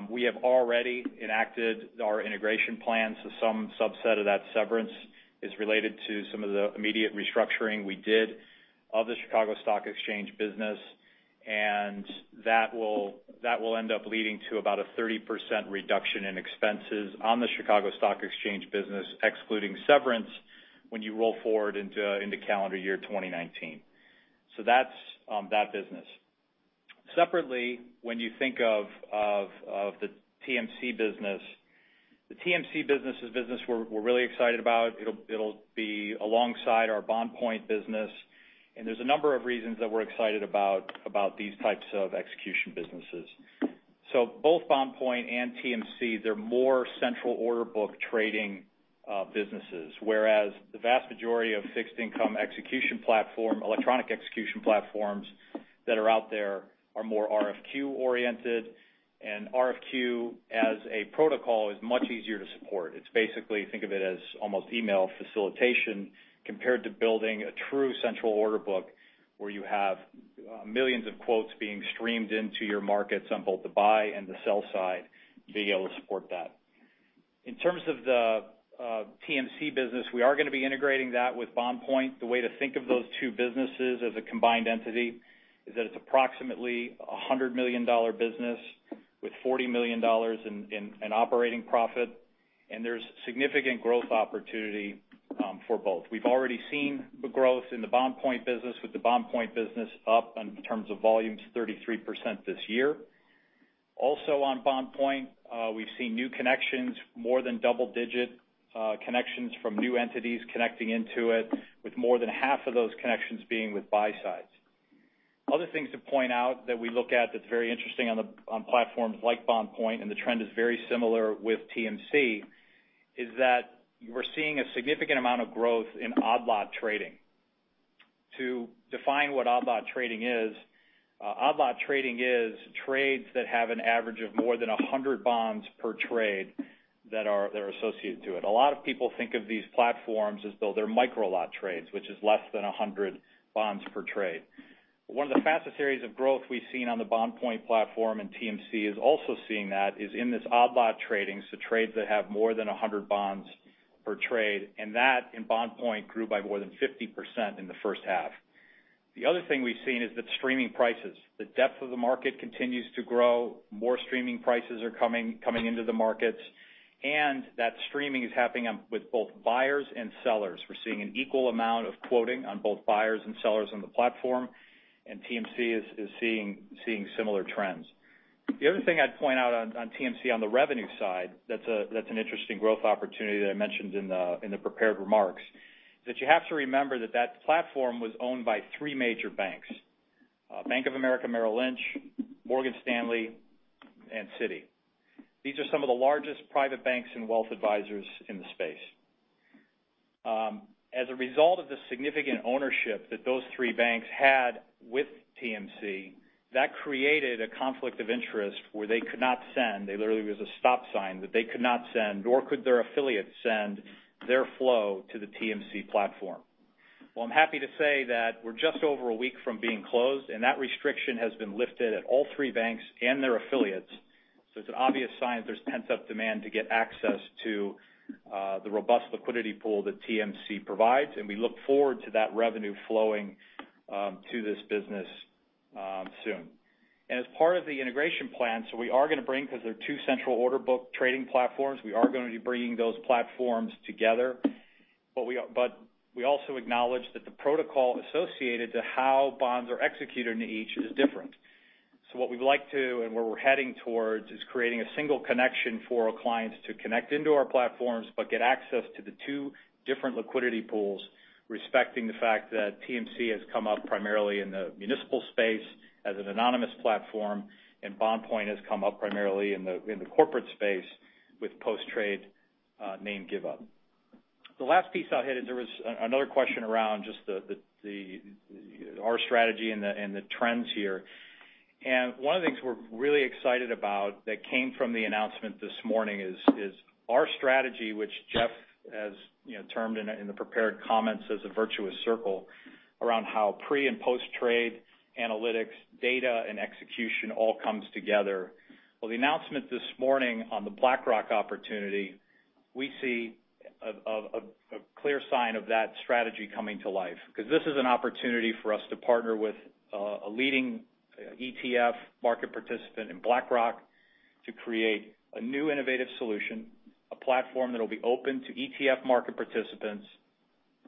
We have already enacted our integration plan, some subset of that severance is related to some of the immediate restructuring we did of the Chicago Stock Exchange business, and that will end up leading to about a 30% reduction in expenses on the Chicago Stock Exchange business, excluding severance, when you roll forward into calendar year 2019. That's that business. Separately, when you think of the TMC business, the TMC business is business we're really excited about. It'll be alongside our BondPoint business, and there's a number of reasons that we're excited about these types of execution businesses. Both BondPoint and TMC, they're more central order book trading businesses, whereas the vast majority of fixed income electronic execution platforms that are out there are more RFQ-oriented. RFQ as a protocol is much easier to support. It's basically, think of it as almost email facilitation compared to building a true central order book where you have millions of quotes being streamed into your markets on both the buy and the sell side, to be able to support that. In terms of the TMC business, we are going to be integrating that with BondPoint. The way to think of those two businesses as a combined entity is that it's approximately $100 million business with $40 million in operating profit, and there's significant growth opportunity for both. We've already seen the growth in the BondPoint business, with the BondPoint business up in terms of volumes, 33% this year. Also on BondPoint, we've seen new connections, more than double-digit connections from new entities connecting into it, with more than half of those connections being with buy sides. Other things to point out that we look at that's very interesting on platforms like BondPoint, and the trend is very similar with TMC, is that we're seeing a significant amount of growth in odd lot trading. To define what odd lot trading is, odd lot trading is trades that have an average of more than 100 bonds per trade that are associated to it. A lot of people think of these platforms as though they're micro lot trades, which is less than 100 bonds per trade. One of the fastest areas of growth we've seen on the BondPoint platform, TMC is also seeing that, is in this odd lot trading, so trades that have more than 100 bonds per trade, and that in BondPoint grew by more than 50% in the first half. The other thing we've seen is the streaming prices. The depth of the market continues to grow, more streaming prices are coming into the markets, and that streaming is happening with both buyers and sellers. We're seeing an equal amount of quoting on both buyers and sellers on the platform, TMC is seeing similar trends. The other thing I'd point out on TMC on the revenue side that's an interesting growth opportunity that I mentioned in the prepared remarks, is that you have to remember that that platform was owned by three major banks, Bank of America, Merrill Lynch, Morgan Stanley, and Citi. These are some of the largest private banks and wealth advisors in the space. As a result of the significant ownership that those three banks had with TMC, that created a conflict of interest where they could not send, there literally was a stop sign, that they could not send, nor could their affiliates send their flow to the TMC platform. I'm happy to say that we're just over a week from being closed, and that restriction has been lifted at all three banks and their affiliates. It's an obvious sign that there's pent-up demand to get access to the robust liquidity pool that TMC provides, and we look forward to that revenue flowing to this business soon. As part of the integration plan, we are going to bring, because they're two central order book trading platforms, we are going to be bringing those platforms together. We also acknowledge that the protocol associated to how bonds are executed in each is different. What we'd like to, and where we're heading towards, is creating a single connection for our clients to connect into our platforms, but get access to the two different liquidity pools, respecting the fact that TMC has come up primarily in the municipal space as an anonymous platform, and BondPoint has come up primarily in the corporate space with post-trade name give up. The last piece I'll hit is there was another question around just our strategy and the trends here. One of the things we're really excited about that came from the announcement this morning is our strategy, which Jeff has termed in the prepared comments as a virtuous circle around how pre- and post-trade analytics, data, and execution all comes together. The announcement this morning on the BlackRock opportunity, we see a clear sign of that strategy coming to life because this is an opportunity for us to partner with a leading ETF market participant in BlackRock to create a new innovative solution. A platform that will be open to ETF market participants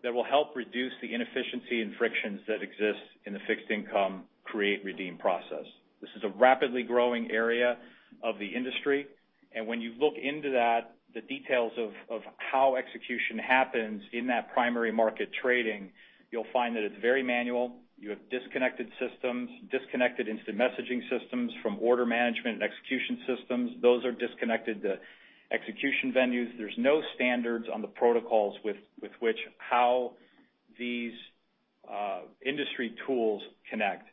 that will help reduce the inefficiency and frictions that exist in the fixed income create-redeem process. This is a rapidly growing area of the industry, and when you look into that, the details of how execution happens in that primary market trading, you'll find that it's very manual. You have disconnected systems, disconnected instant messaging systems from order management and execution systems. Those are disconnected to execution venues. There's no standards on the protocols with which how these industry tools connect.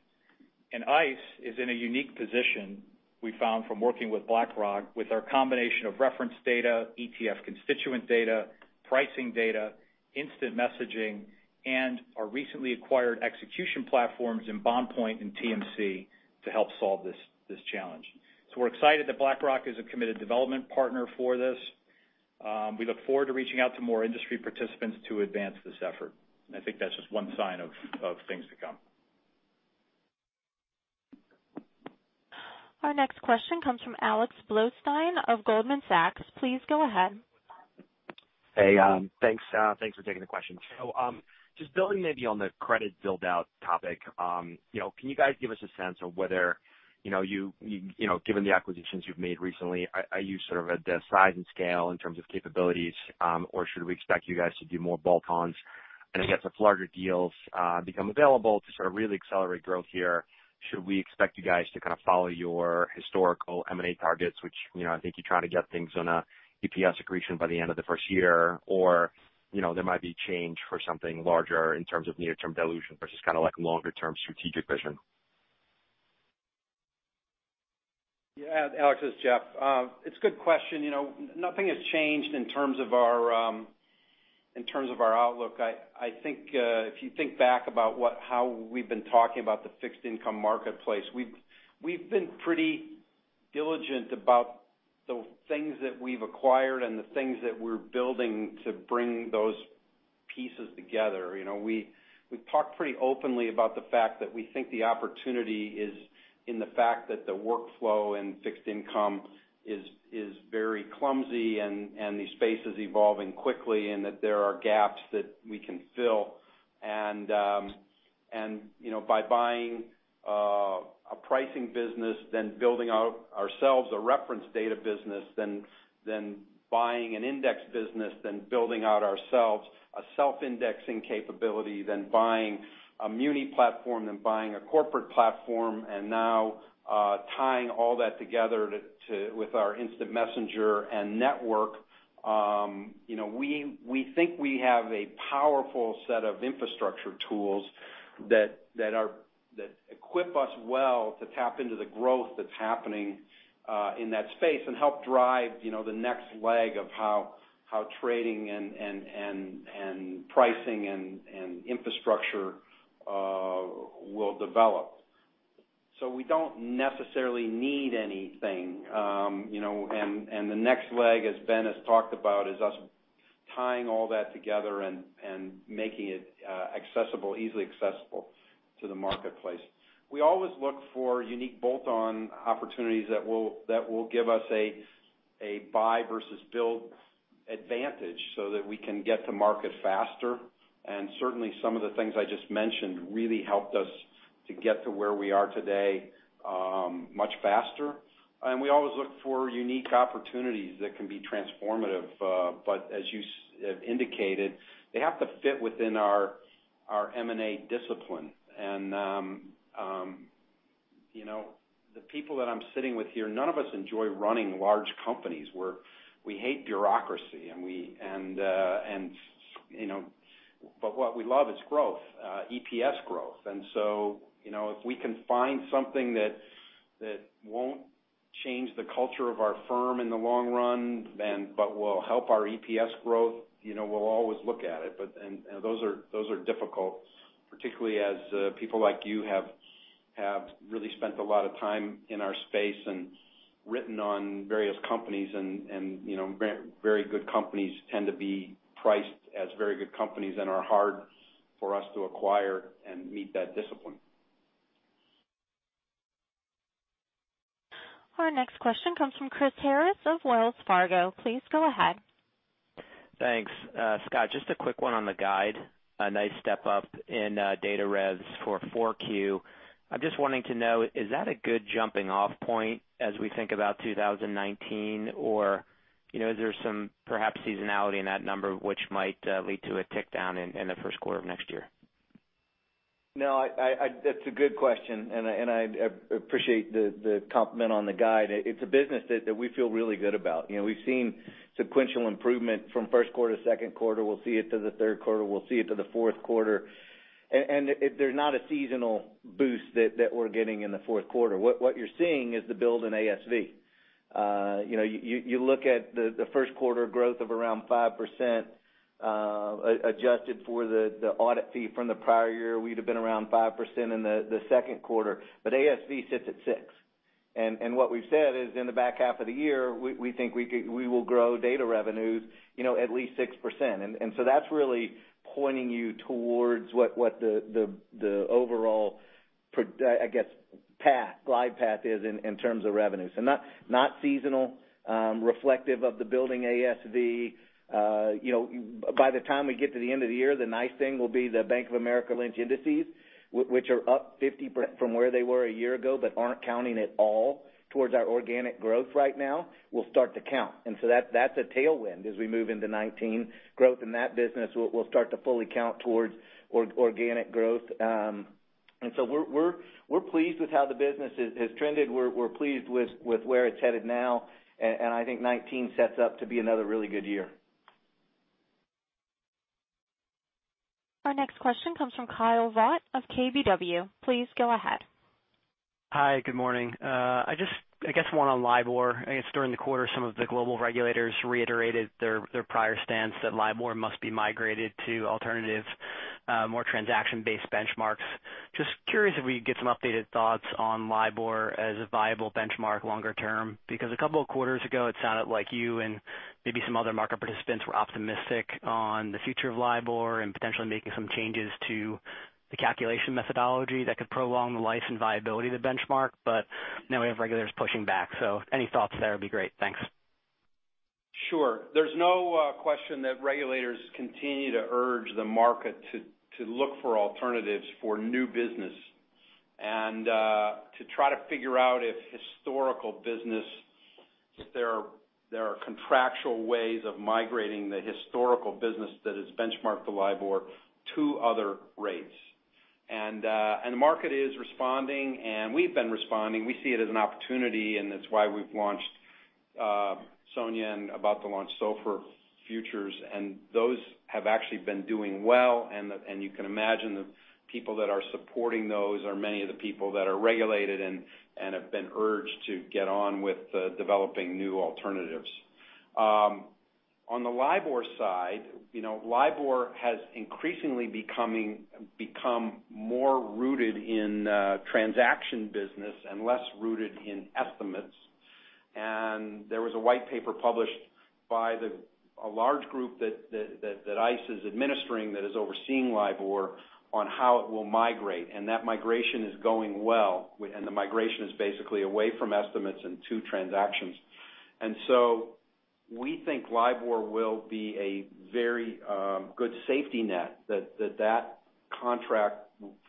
ICE is in a unique position, we found from working with BlackRock, with our combination of reference data, ETF constituent data, pricing data, instant messaging, and our recently acquired execution platforms in BondPoint and TMC to help solve this challenge. We're excited that BlackRock is a committed development partner for this. We look forward to reaching out to more industry participants to advance this effort. I think that's just one sign of things to come.
Our next question comes from Alexander Blostein of Goldman Sachs. Please go ahead.
Hey, thanks for taking the question. Just building maybe on the credit build-out topic. Can you guys give us a sense of whether, given the acquisitions you've made recently, are you sort of at the size and scale in terms of capabilities? Or should we expect you guys to do more bolt-ons? And I guess if larger deals become available to sort of really accelerate growth here, should we expect you guys to kind of follow your historical M&A targets, which I think you try to get things on a EPS accretion by the end of the first year, or there might be change for something larger in terms of near-term dilution versus kind of like longer-term strategic vision.
Yeah. Alex, this is Jeff. It's a good question. Nothing has changed in terms of our outlook. I think if you think back about how we've been talking about the fixed income marketplace, we've been pretty diligent about the things that we've acquired and the things that we're building to bring those pieces together. We've talked pretty openly about the fact that we think the opportunity is in the fact that the workflow in fixed income is very clumsy and the space is evolving quickly, and that there are gaps that we can fill. By buying a pricing business, then building out ourselves a reference data business, then buying an index business, then building out ourselves a self-indexing capability, then buying a muni platform, then buying a corporate platform, and now tying all that together with our instant messenger and network. We think we have a powerful set of infrastructure tools that equip us well to tap into the growth that's happening in that space and help drive the next leg of how trading and pricing and infrastructure will develop.
We don't necessarily need anything. The next leg, as Ben has talked about, is us tying all that together and making it easily accessible to the marketplace. We always look for unique bolt-on opportunities that will give us a buy versus build advantage so that we can get to market faster. Certainly, some of the things I just mentioned really helped us to get to where we are today much faster. We always look for unique opportunities that can be transformative. As you indicated, they have to fit within our M&A discipline. The people that I'm sitting with here, none of us enjoy running large companies. We hate bureaucracy. What we love is growth, EPS growth. If we can find something that won't change the culture of our firm in the long run, but will help our EPS growth, we'll always look at it. Those are difficult, particularly as people like you have really spent a lot of time in our space and written on various companies. Very good companies tend to be priced as very good companies and are hard for us to acquire and meet that discipline.
Our next question comes from Chris Harris of Wells Fargo. Please go ahead.
Thanks. Scott, just a quick one on the guide. A nice step up in data revs for 4Q. I'm just wanting to know, is that a good jumping-off point as we think about 2019? Or is there some perhaps seasonality in that number which might lead to a tick down in the first quarter of next year?
No, that's a good question, and I appreciate the compliment on the guide. It's a business that we feel really good about. We've seen sequential improvement from first quarter to second quarter. We'll see it to the third quarter. We'll see it to the fourth quarter. They're not a seasonal boost that we're getting in the fourth quarter. What you're seeing is the build in ASV. You look at the first quarter growth of around 5%, adjusted for the audit fee from the prior year, we'd have been around 5% in the second quarter. ASV sits at 6. What we've said is in the back half of the year, we think we will grow data revenues at least 6%. That's really pointing you towards what the overall, I guess, glide path is in terms of revenues. Not seasonal, reflective of the building ASV. By the time we get to the end of the year, the nice thing will be the Bank of America Merrill Lynch indices, which are up 50% from where they were a year ago, but aren't counting at all towards our organic growth right now, will start to count. That's a tailwind as we move into 2019. Growth in that business will start to fully count towards organic growth. We're pleased with how the business has trended. We're pleased with where it's headed now. I think 2019 sets up to be another really good year.
Our next question comes from Kyle Voigt of KBW. Please go ahead.
Hi, good morning. I guess one on LIBOR. I guess during the quarter, some of the global regulators reiterated their prior stance that LIBOR must be migrated to alternative, more transaction-based benchmarks. Just curious if we could get some updated thoughts on LIBOR as a viable benchmark longer term, because a couple of quarters ago, it sounded like you and maybe some other market participants were optimistic on the future of LIBOR and potentially making some changes to the calculation methodology that could prolong the life and viability of the benchmark. Now we have regulators pushing back. Any thoughts there would be great. Thanks.
Sure. There's no question that regulators continue to urge the market to look for alternatives for new business and to try to figure out if there are contractual ways of migrating the historical business that is benchmarked to LIBOR to other rates. The market is responding, and we've been responding. We see it as an opportunity, and that's why we've launched SONIA and about to launch SOFR futures. Those have actually been doing well, and you can imagine the people that are supporting those are many of the people that are regulated and have been urged to get on with developing new alternatives. On the LIBOR side, LIBOR has increasingly become more rooted in transaction business and less rooted in estimates. There was a white paper published by a large group that ICE is administering, that is overseeing LIBOR, on how it will migrate, and that migration is going well. The migration is basically away from estimates and to transactions. We think LIBOR will be a very good safety net, that contract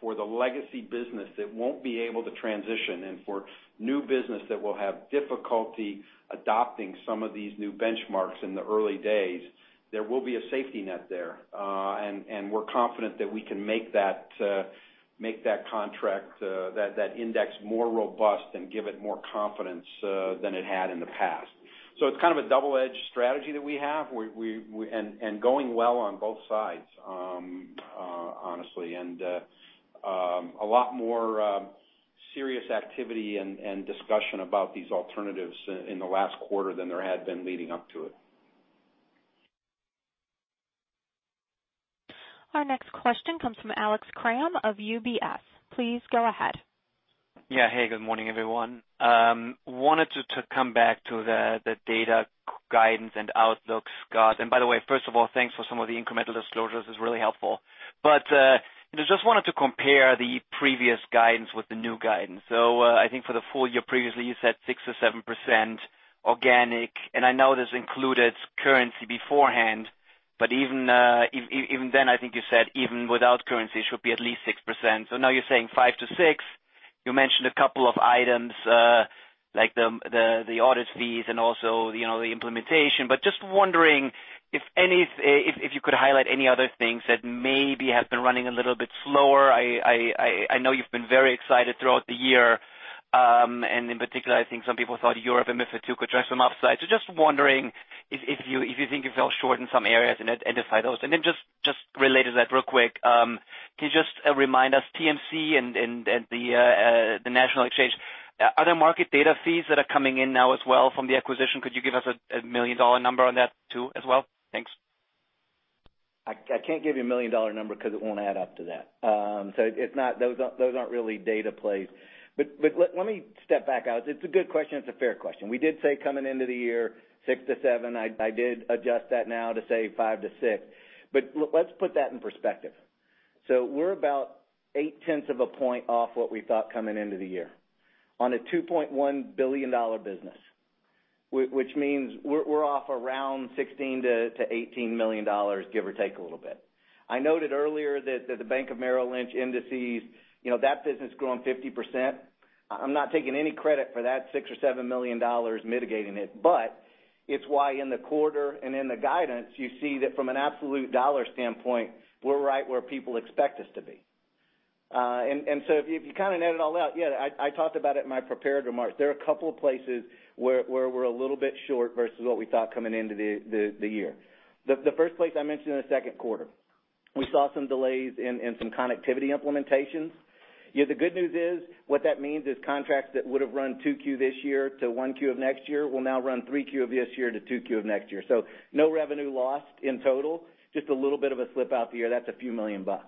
for the legacy business that won't be able to transition and for new business that will have difficulty adopting some of these new benchmarks in the early days. There will be a safety net there. We're confident that we can make that index more robust and give it more confidence than it had in the past. It's kind of a double-edged strategy that we have, and going well on both sides, honestly. A lot more serious activity and discussion about these alternatives in the last quarter than there had been leading up to it.
Our next question comes from Alex Kramm of UBS. Please go ahead.
Yeah. Hey, good morning, everyone. Wanted to come back to the data guidance and outlook, Scott. By the way, first of all, thanks for some of the incremental disclosures. It's really helpful. Just wanted to compare the previous guidance with the new guidance. I think for the full year, previously, you said 6%-7% organic, and I know this included currency beforehand, but even then, I think you said even without currency, it should be at least 6%. Now you're saying 5%-6%. You mentioned a couple of items, like the audit fees and also the implementation. Just wondering if you could highlight any other things that maybe have been running a little bit slower. I know you've been very excited throughout the year, and in particular, I think some people thought Europe and MiFID II could drive some upside. Just wondering if you think you fell short in some areas and identify those. Just related to that real quick, can you just remind us, TMC and the national exchange, are there market data fees that are coming in now as well from the acquisition? Could you give us a $1 million number on that too as well? Thanks.
I can't give you a $1 million number because it won't add up to that. Those aren't really data plays. Let me step back, Alex. It's a good question. It's a fair question. We did say coming into the year, 6%-7%. I did adjust that now to say 5%-6%. Let's put that in perspective. We're about eight tenths of a point off what we thought coming into the year on a $2.1 billion business, which means we're off around $16 million-$18 million, give or take a little bit. I noted earlier that the Bank of America Merrill Lynch indices, that business is growing 50%. I'm not taking any credit for that $6 million or $7 million mitigating it. It's why in the quarter and in the guidance, you see that from an absolute dollar standpoint, we're right where people expect us to be. If you kind of add it all out, yeah, I talked about it in my prepared remarks. There are a couple of places where we're a little bit short versus what we thought coming into the year. The first place I mentioned in the second quarter, we saw some delays in some connectivity implementations. The good news is, what that means is contracts that would have run 2Q this year to 1Q of next year will now run 3Q of this year to 2Q of next year. No revenue lost in total, just a little bit of a slip out the year. That's a few million bucks.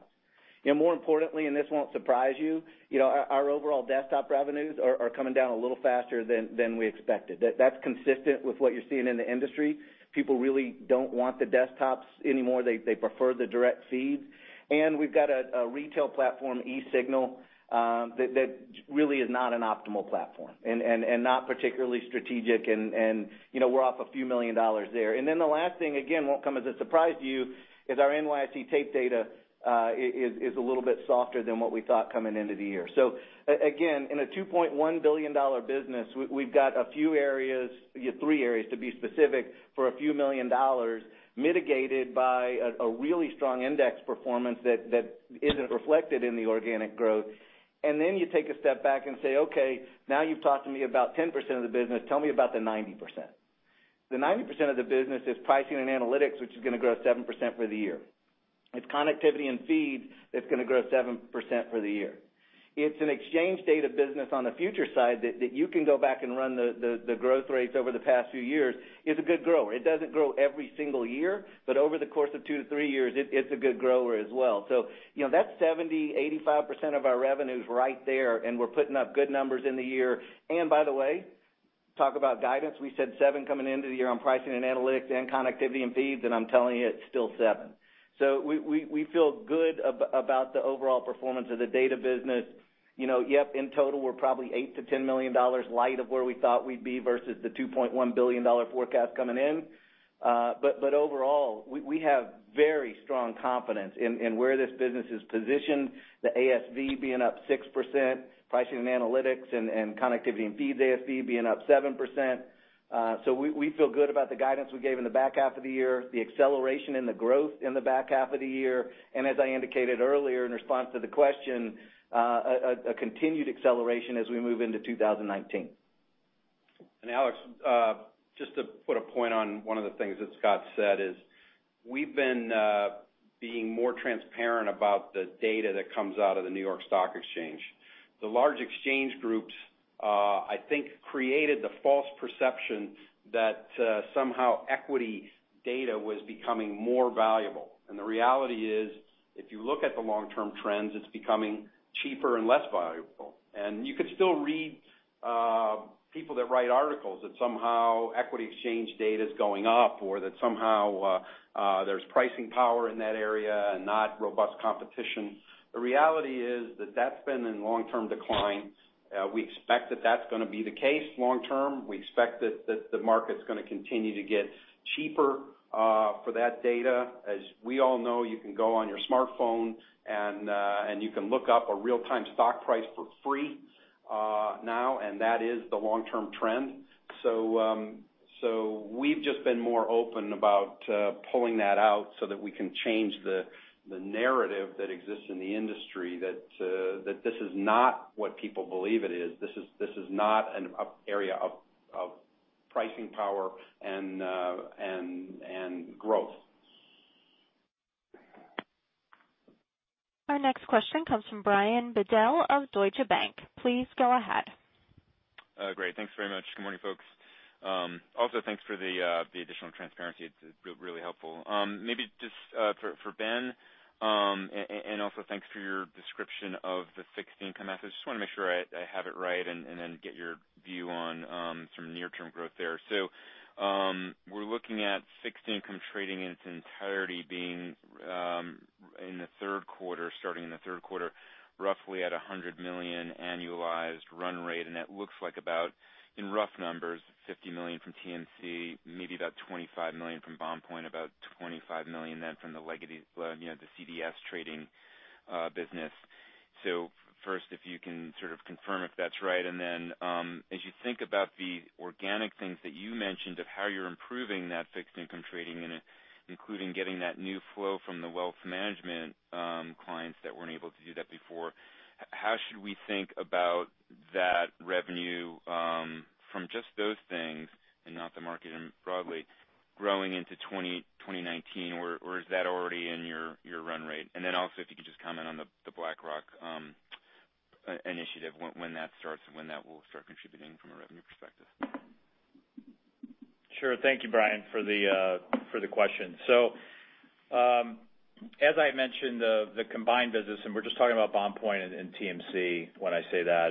More importantly, this won't surprise you, our overall desktop revenues are coming down a little faster than we expected. That's consistent with what you're seeing in the industry. People really don't want the desktops anymore. They prefer the direct feeds. We've got a retail platform, eSignal, that really is not an optimal platform and not particularly strategic, and we're off a few million dollars there. The last thing, again, won't come as a surprise to you, is our NYSE tape data is a little bit softer than what we thought coming into the year. Again, in a $2.1 billion business, we've got a few areas, three areas to be specific, for a few million dollars mitigated by a really strong index performance that isn't reflected in the organic growth. Then you take a step back and say, "Okay, now you've talked to me about 10% of the business. Tell me about the 90%." The 90% of the business is pricing and analytics, which is going to grow 7% for the year. It's connectivity and feeds that's going to grow 7% for the year. It's an exchange data business on the futures side that you can go back and run the growth rates over the past few years, is a good grower. It doesn't grow every single year, but over the course of 2 to 3 years, it's a good grower as well. That's 70%, 85% of our revenue's right there, and we're putting up good numbers in the year. By the way, talk about guidance. We said 7 coming into the year on pricing and analytics and connectivity and feeds, and I'm telling you, it's still 7. We feel good about the overall performance of the data business. Yep, in total, we're probably $8 million-$10 million light of where we thought we'd be versus the $2.1 billion forecast coming in. Overall, we have very strong confidence in where this business is positioned, the ASV being up 6%, pricing and analytics and connectivity and feeds ASV being up 7%. We feel good about the guidance we gave in the back half of the year, the acceleration and the growth in the back half of the year, and as I indicated earlier in response to the question, a continued acceleration as we move into 2019.
Alex, just to put a point on one of the things that Scott said is we've been being more transparent about the data that comes out of the New York Stock Exchange. The large exchange groups, I think, created the false perception that somehow equity data was becoming more valuable. The reality is, if you look at the long-term trends, it's becoming cheaper and less valuable. You could still read people that write articles that somehow equity exchange data is going up or that somehow there's pricing power in that area and not robust competition. The reality is that that's been in long-term decline. We expect that that's going to be the case long term. We expect that the market's going to continue to get cheaper for that data. As we all know, you can go on your smartphone, you can look up a real-time stock price for free now, that is the long-term trend. We've just been more open about pulling that out so that we can change the narrative that exists in the industry that this is not what people believe it is. This is not an area of pricing power and growth.
Our next question comes from Brian Bedell of Deutsche Bank. Please go ahead.
Great. Thanks very much. Good morning, folks. Also, thanks for the additional transparency. It's really helpful. Maybe just for Ben, also thanks for your description of the fixed income methods. Just want to make sure I have it right, and then get your view on some near-term growth there. We're looking at fixed income trading in its entirety starting in the third quarter, roughly at a $100 million annualized run rate, that looks like about, in rough numbers, $50 million from TMC, maybe about $25 million from BondPoint, about $25 million then from the legacy, the CDS trading business. First, if you can sort of confirm if that's right, then as you think about the organic things that you mentioned of how you're improving that fixed income trading and including getting that new flow from the wealth management clients that weren't able to do that before, how should we think about that revenue from just those things and not the market broadly growing into 2019? Is that already in your run rate? Then also, if you could just comment on the BlackRock initiative, when that starts and when that will start contributing from a revenue perspective.
Sure. Thank you, Brian, for the question. As I mentioned, the combined business, and we're just talking about BondPoint and TMC when I say that.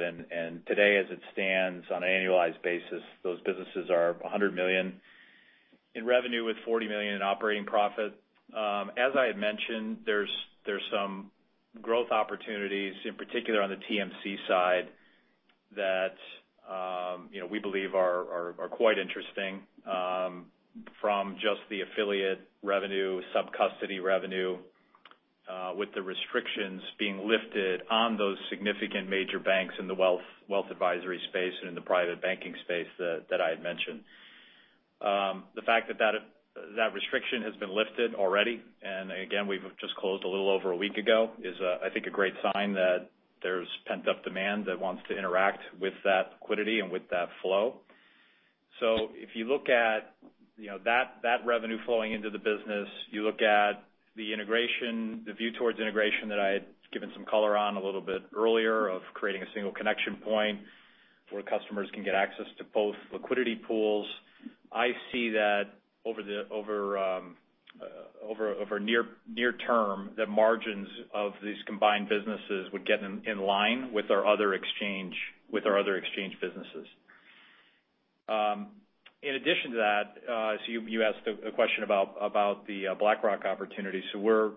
Today, as it stands on an annualized basis, those businesses are $100 million in revenue with $40 million in operating profit. As I had mentioned, there's some growth opportunities, in particular on the TMC side that we believe are quite interesting from just the affiliate revenue, sub-custody revenue with the restrictions being lifted on those significant major banks in the wealth advisory space and in the private banking space that I had mentioned. The fact that that restriction has been lifted already, and again, we've just closed a little over a week ago, is, I think, a great sign that there's pent-up demand that wants to interact with that liquidity and with that flow. If you look at that revenue flowing into the business, you look at the view towards integration that I had given some color on a little bit earlier of creating a single connection point where customers can get access to both liquidity pools. I see that over near term, the margins of these combined businesses would get in line with our other exchange businesses. In addition to that, you asked a question about the BlackRock opportunity. There's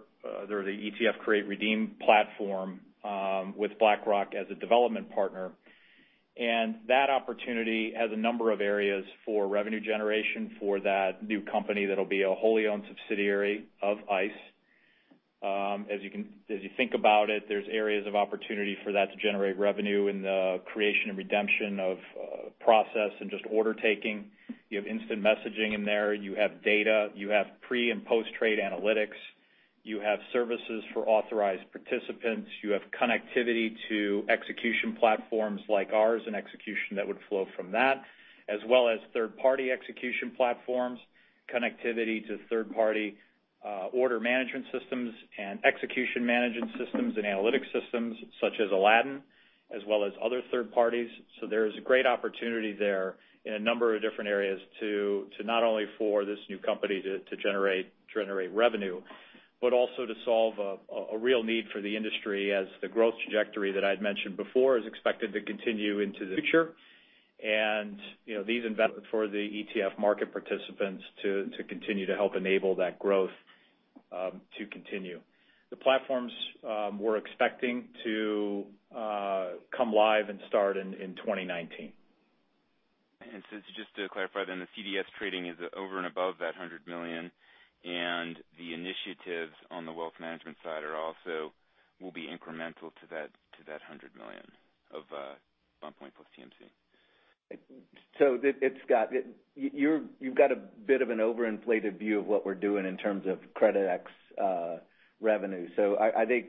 the ETF create redeem platform with BlackRock as a development partner. That opportunity has a number of areas for revenue generation for that new company that'll be a wholly owned subsidiary of ICE. As you think about it, there's areas of opportunity for that to generate revenue in the creation and redemption of process and just order taking. You have instant messaging in there. You have data. You have pre- and post-trade analytics. You have services for authorized participants. You have connectivity to execution platforms like ours and execution that would flow from that, as well as third-party execution platforms, connectivity to third-party order management systems and execution management systems and analytic systems such as Aladdin, as well as other third parties. There's a great opportunity there in a number of different areas to not only for this new company to generate revenue, but also to solve a real need for the industry as the growth trajectory that I'd mentioned before is expected to continue into the future. These investments for the ETF market participants to continue to help enable that growth to continue. The platforms we're expecting to come live and start in 2019.
Just to clarify then, the CDS trading is over and above that $100 million. The initiatives on the wealth management side also will be incremental to that $100 million of BondPoint plus TMC.
It's Scott. You've got a bit of an overinflated view of what we're doing in terms of Creditex revenue. I think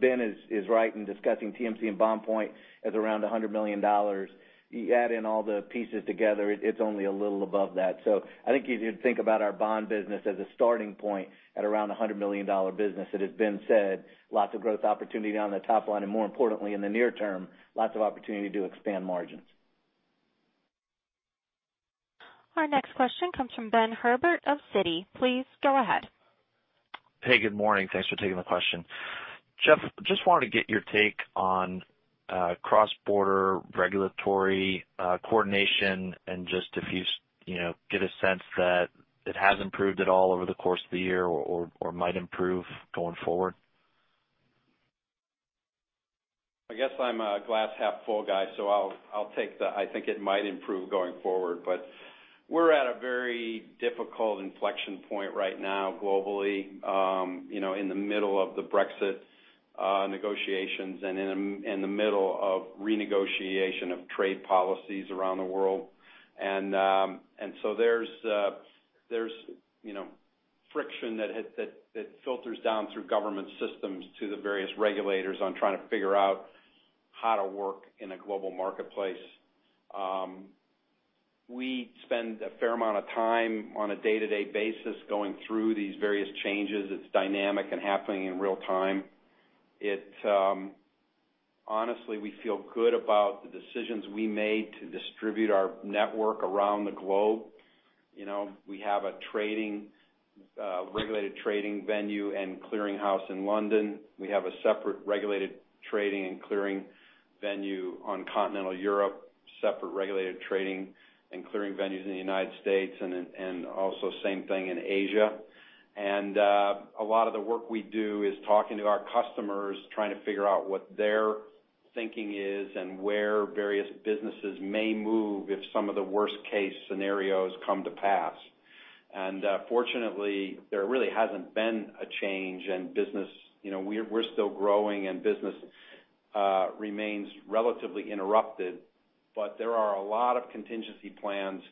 Ben is right in discussing TMC and BondPoint as around $100 million. You add in all the pieces together, it's only a little above that. I think you'd think about our bond business as a starting point at around $100 million business that has been said. Lots of growth opportunity on the top line, and more importantly in the near term, lots of opportunity to expand margins.
Our next question comes from Benjamin Herbert of Citi. Please go ahead.
Hey, good morning. Thanks for taking the question. Jeff, just wanted to get your take on cross-border regulatory coordination and just if you get a sense that it has improved at all over the course of the year or might improve going forward.
I guess I'm a glass half full guy, I'll take the, I think it might improve going forward. We're at a very difficult inflection point right now globally, in the middle of the Brexit negotiations and in the middle of renegotiation of trade policies around the world. There's friction that filters down through government systems to the various regulators on trying to figure out how to work in a global marketplace. We spend a fair amount of time on a day-to-day basis going through these various changes. It's dynamic and happening in real-time. Honestly, we feel good about the decisions we made to distribute our network around the globe. We have a regulated trading venue and clearing house in London. We have a separate regulated trading and clearing venue on continental Europe, separate regulated trading and clearing venues in the U.S., and also same thing in Asia. A lot of the work we do is talking to our customers, trying to figure out what their thinking is and where various businesses may move if some of the worst-case scenarios come to pass. Fortunately, there really hasn't been a change in business. We're still growing, and business remains relatively uninterrupted. There are a lot of contingency plans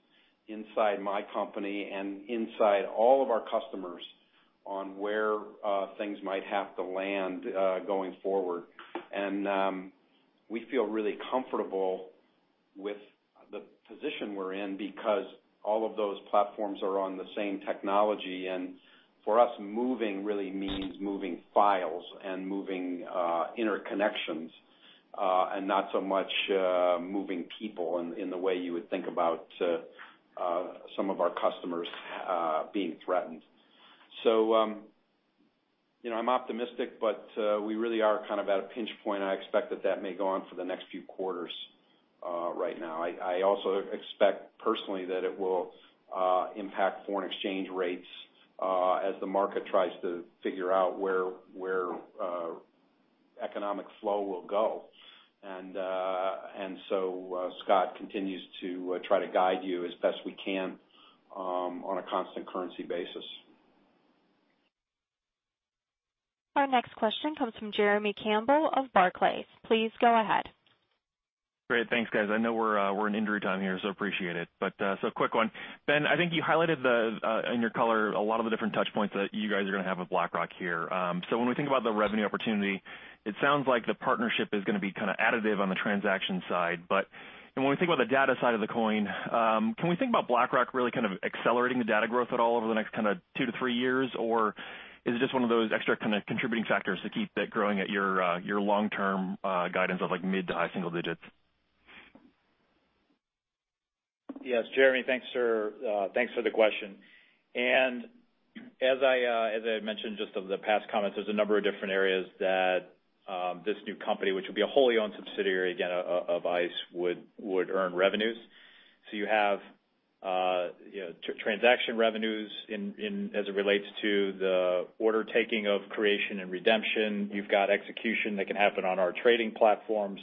inside my company and inside all of our customers on where things might have to land going forward. We feel really comfortable with the position we're in because all of those platforms are on the same technology. For us, moving really means moving files and moving interconnections and not so much moving people in the way you would think about some of our customers being threatened. I'm optimistic, but we really are kind of at a pinch point. I expect that that may go on for the next few quarters right now. I also expect personally that it will impact foreign exchange rates as the market tries to figure out where economic flow will go. Scott continues to try to guide you as best we can on a constant currency basis.
Our next question comes from Jeremy Campbell of Barclays. Please go ahead.
Great. Thanks, guys. I know we're in injury time here, appreciate it. Quick one. Ben, I think you highlighted in your color a lot of the different touch points that you guys are going to have with BlackRock here. When we think about the revenue opportunity, it sounds like the partnership is going to be kind of additive on the transaction side. When we think about the data side of the coin, can we think about BlackRock really kind of accelerating the data growth at all over the next kind of two to three years? Or is it just one of those extra kind of contributing factors to keep that growing at your long-term guidance of mid to high single digits?
Yes, Jeremy. Thanks for the question. As I mentioned just of the past comments, there's a number of different areas that this new company, which will be a wholly owned subsidiary, again, of ICE, would earn revenues. You have transaction revenues as it relates to the order taking of creation and redemption. You've got execution that can happen on our trading platforms.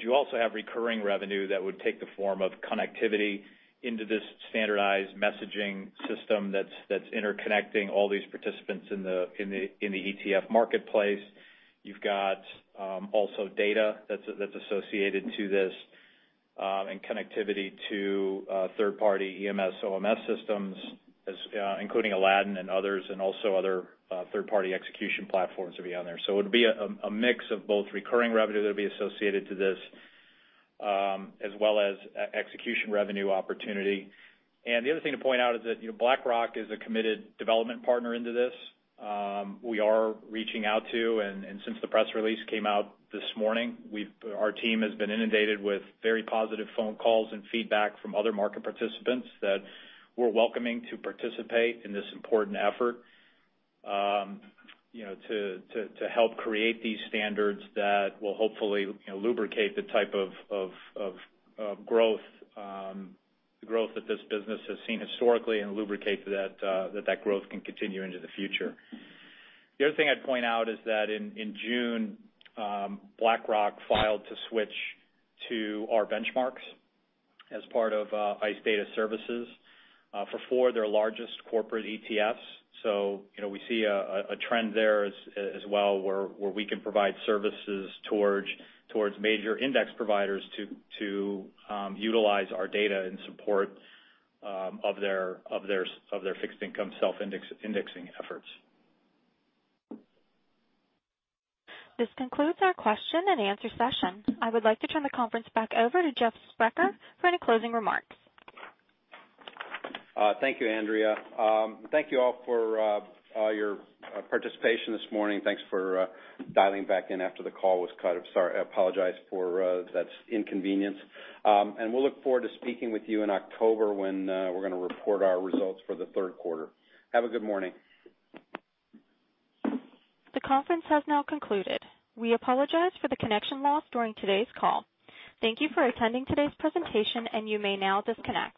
You also have recurring revenue that would take the form of connectivity into this standardized messaging system that's interconnecting all these participants in the ETF marketplace. You've got also data that's associated to this and connectivity to third-party EMS, OMS systems, including Aladdin and others, and also other third-party execution platforms that'll be on there. It'll be a mix of both recurring revenue that'll be associated to this as well as execution revenue opportunity.
The other thing to point out is that BlackRock is a committed development partner into this. We are reaching out to, and since the press release came out this morning, our team has been inundated with very positive phone calls and feedback from other market participants that we're welcoming to participate in this important effort to help create these standards that will hopefully lubricate the type of growth that this business has seen historically and lubricate that that growth can continue into the future. The other thing I'd point out is that in June, BlackRock filed to switch to our benchmarks as part of ICE Data Services for 4 of their largest corporate ETFs. We see a trend there as well where we can provide services towards major index providers to utilize our data in support of their fixed income self-indexing efforts.
This concludes our question and answer session. I would like to turn the conference back over to Jeff Sprecher for any closing remarks.
Thank you, Andrea. Thank you all for your participation this morning. Thanks for dialing back in after the call was cut. I apologize for that inconvenience. We'll look forward to speaking with you in October when we're going to report our results for the third quarter. Have a good morning.
The conference has now concluded. We apologize for the connection loss during today's call. Thank you for attending today's presentation. You may now disconnect.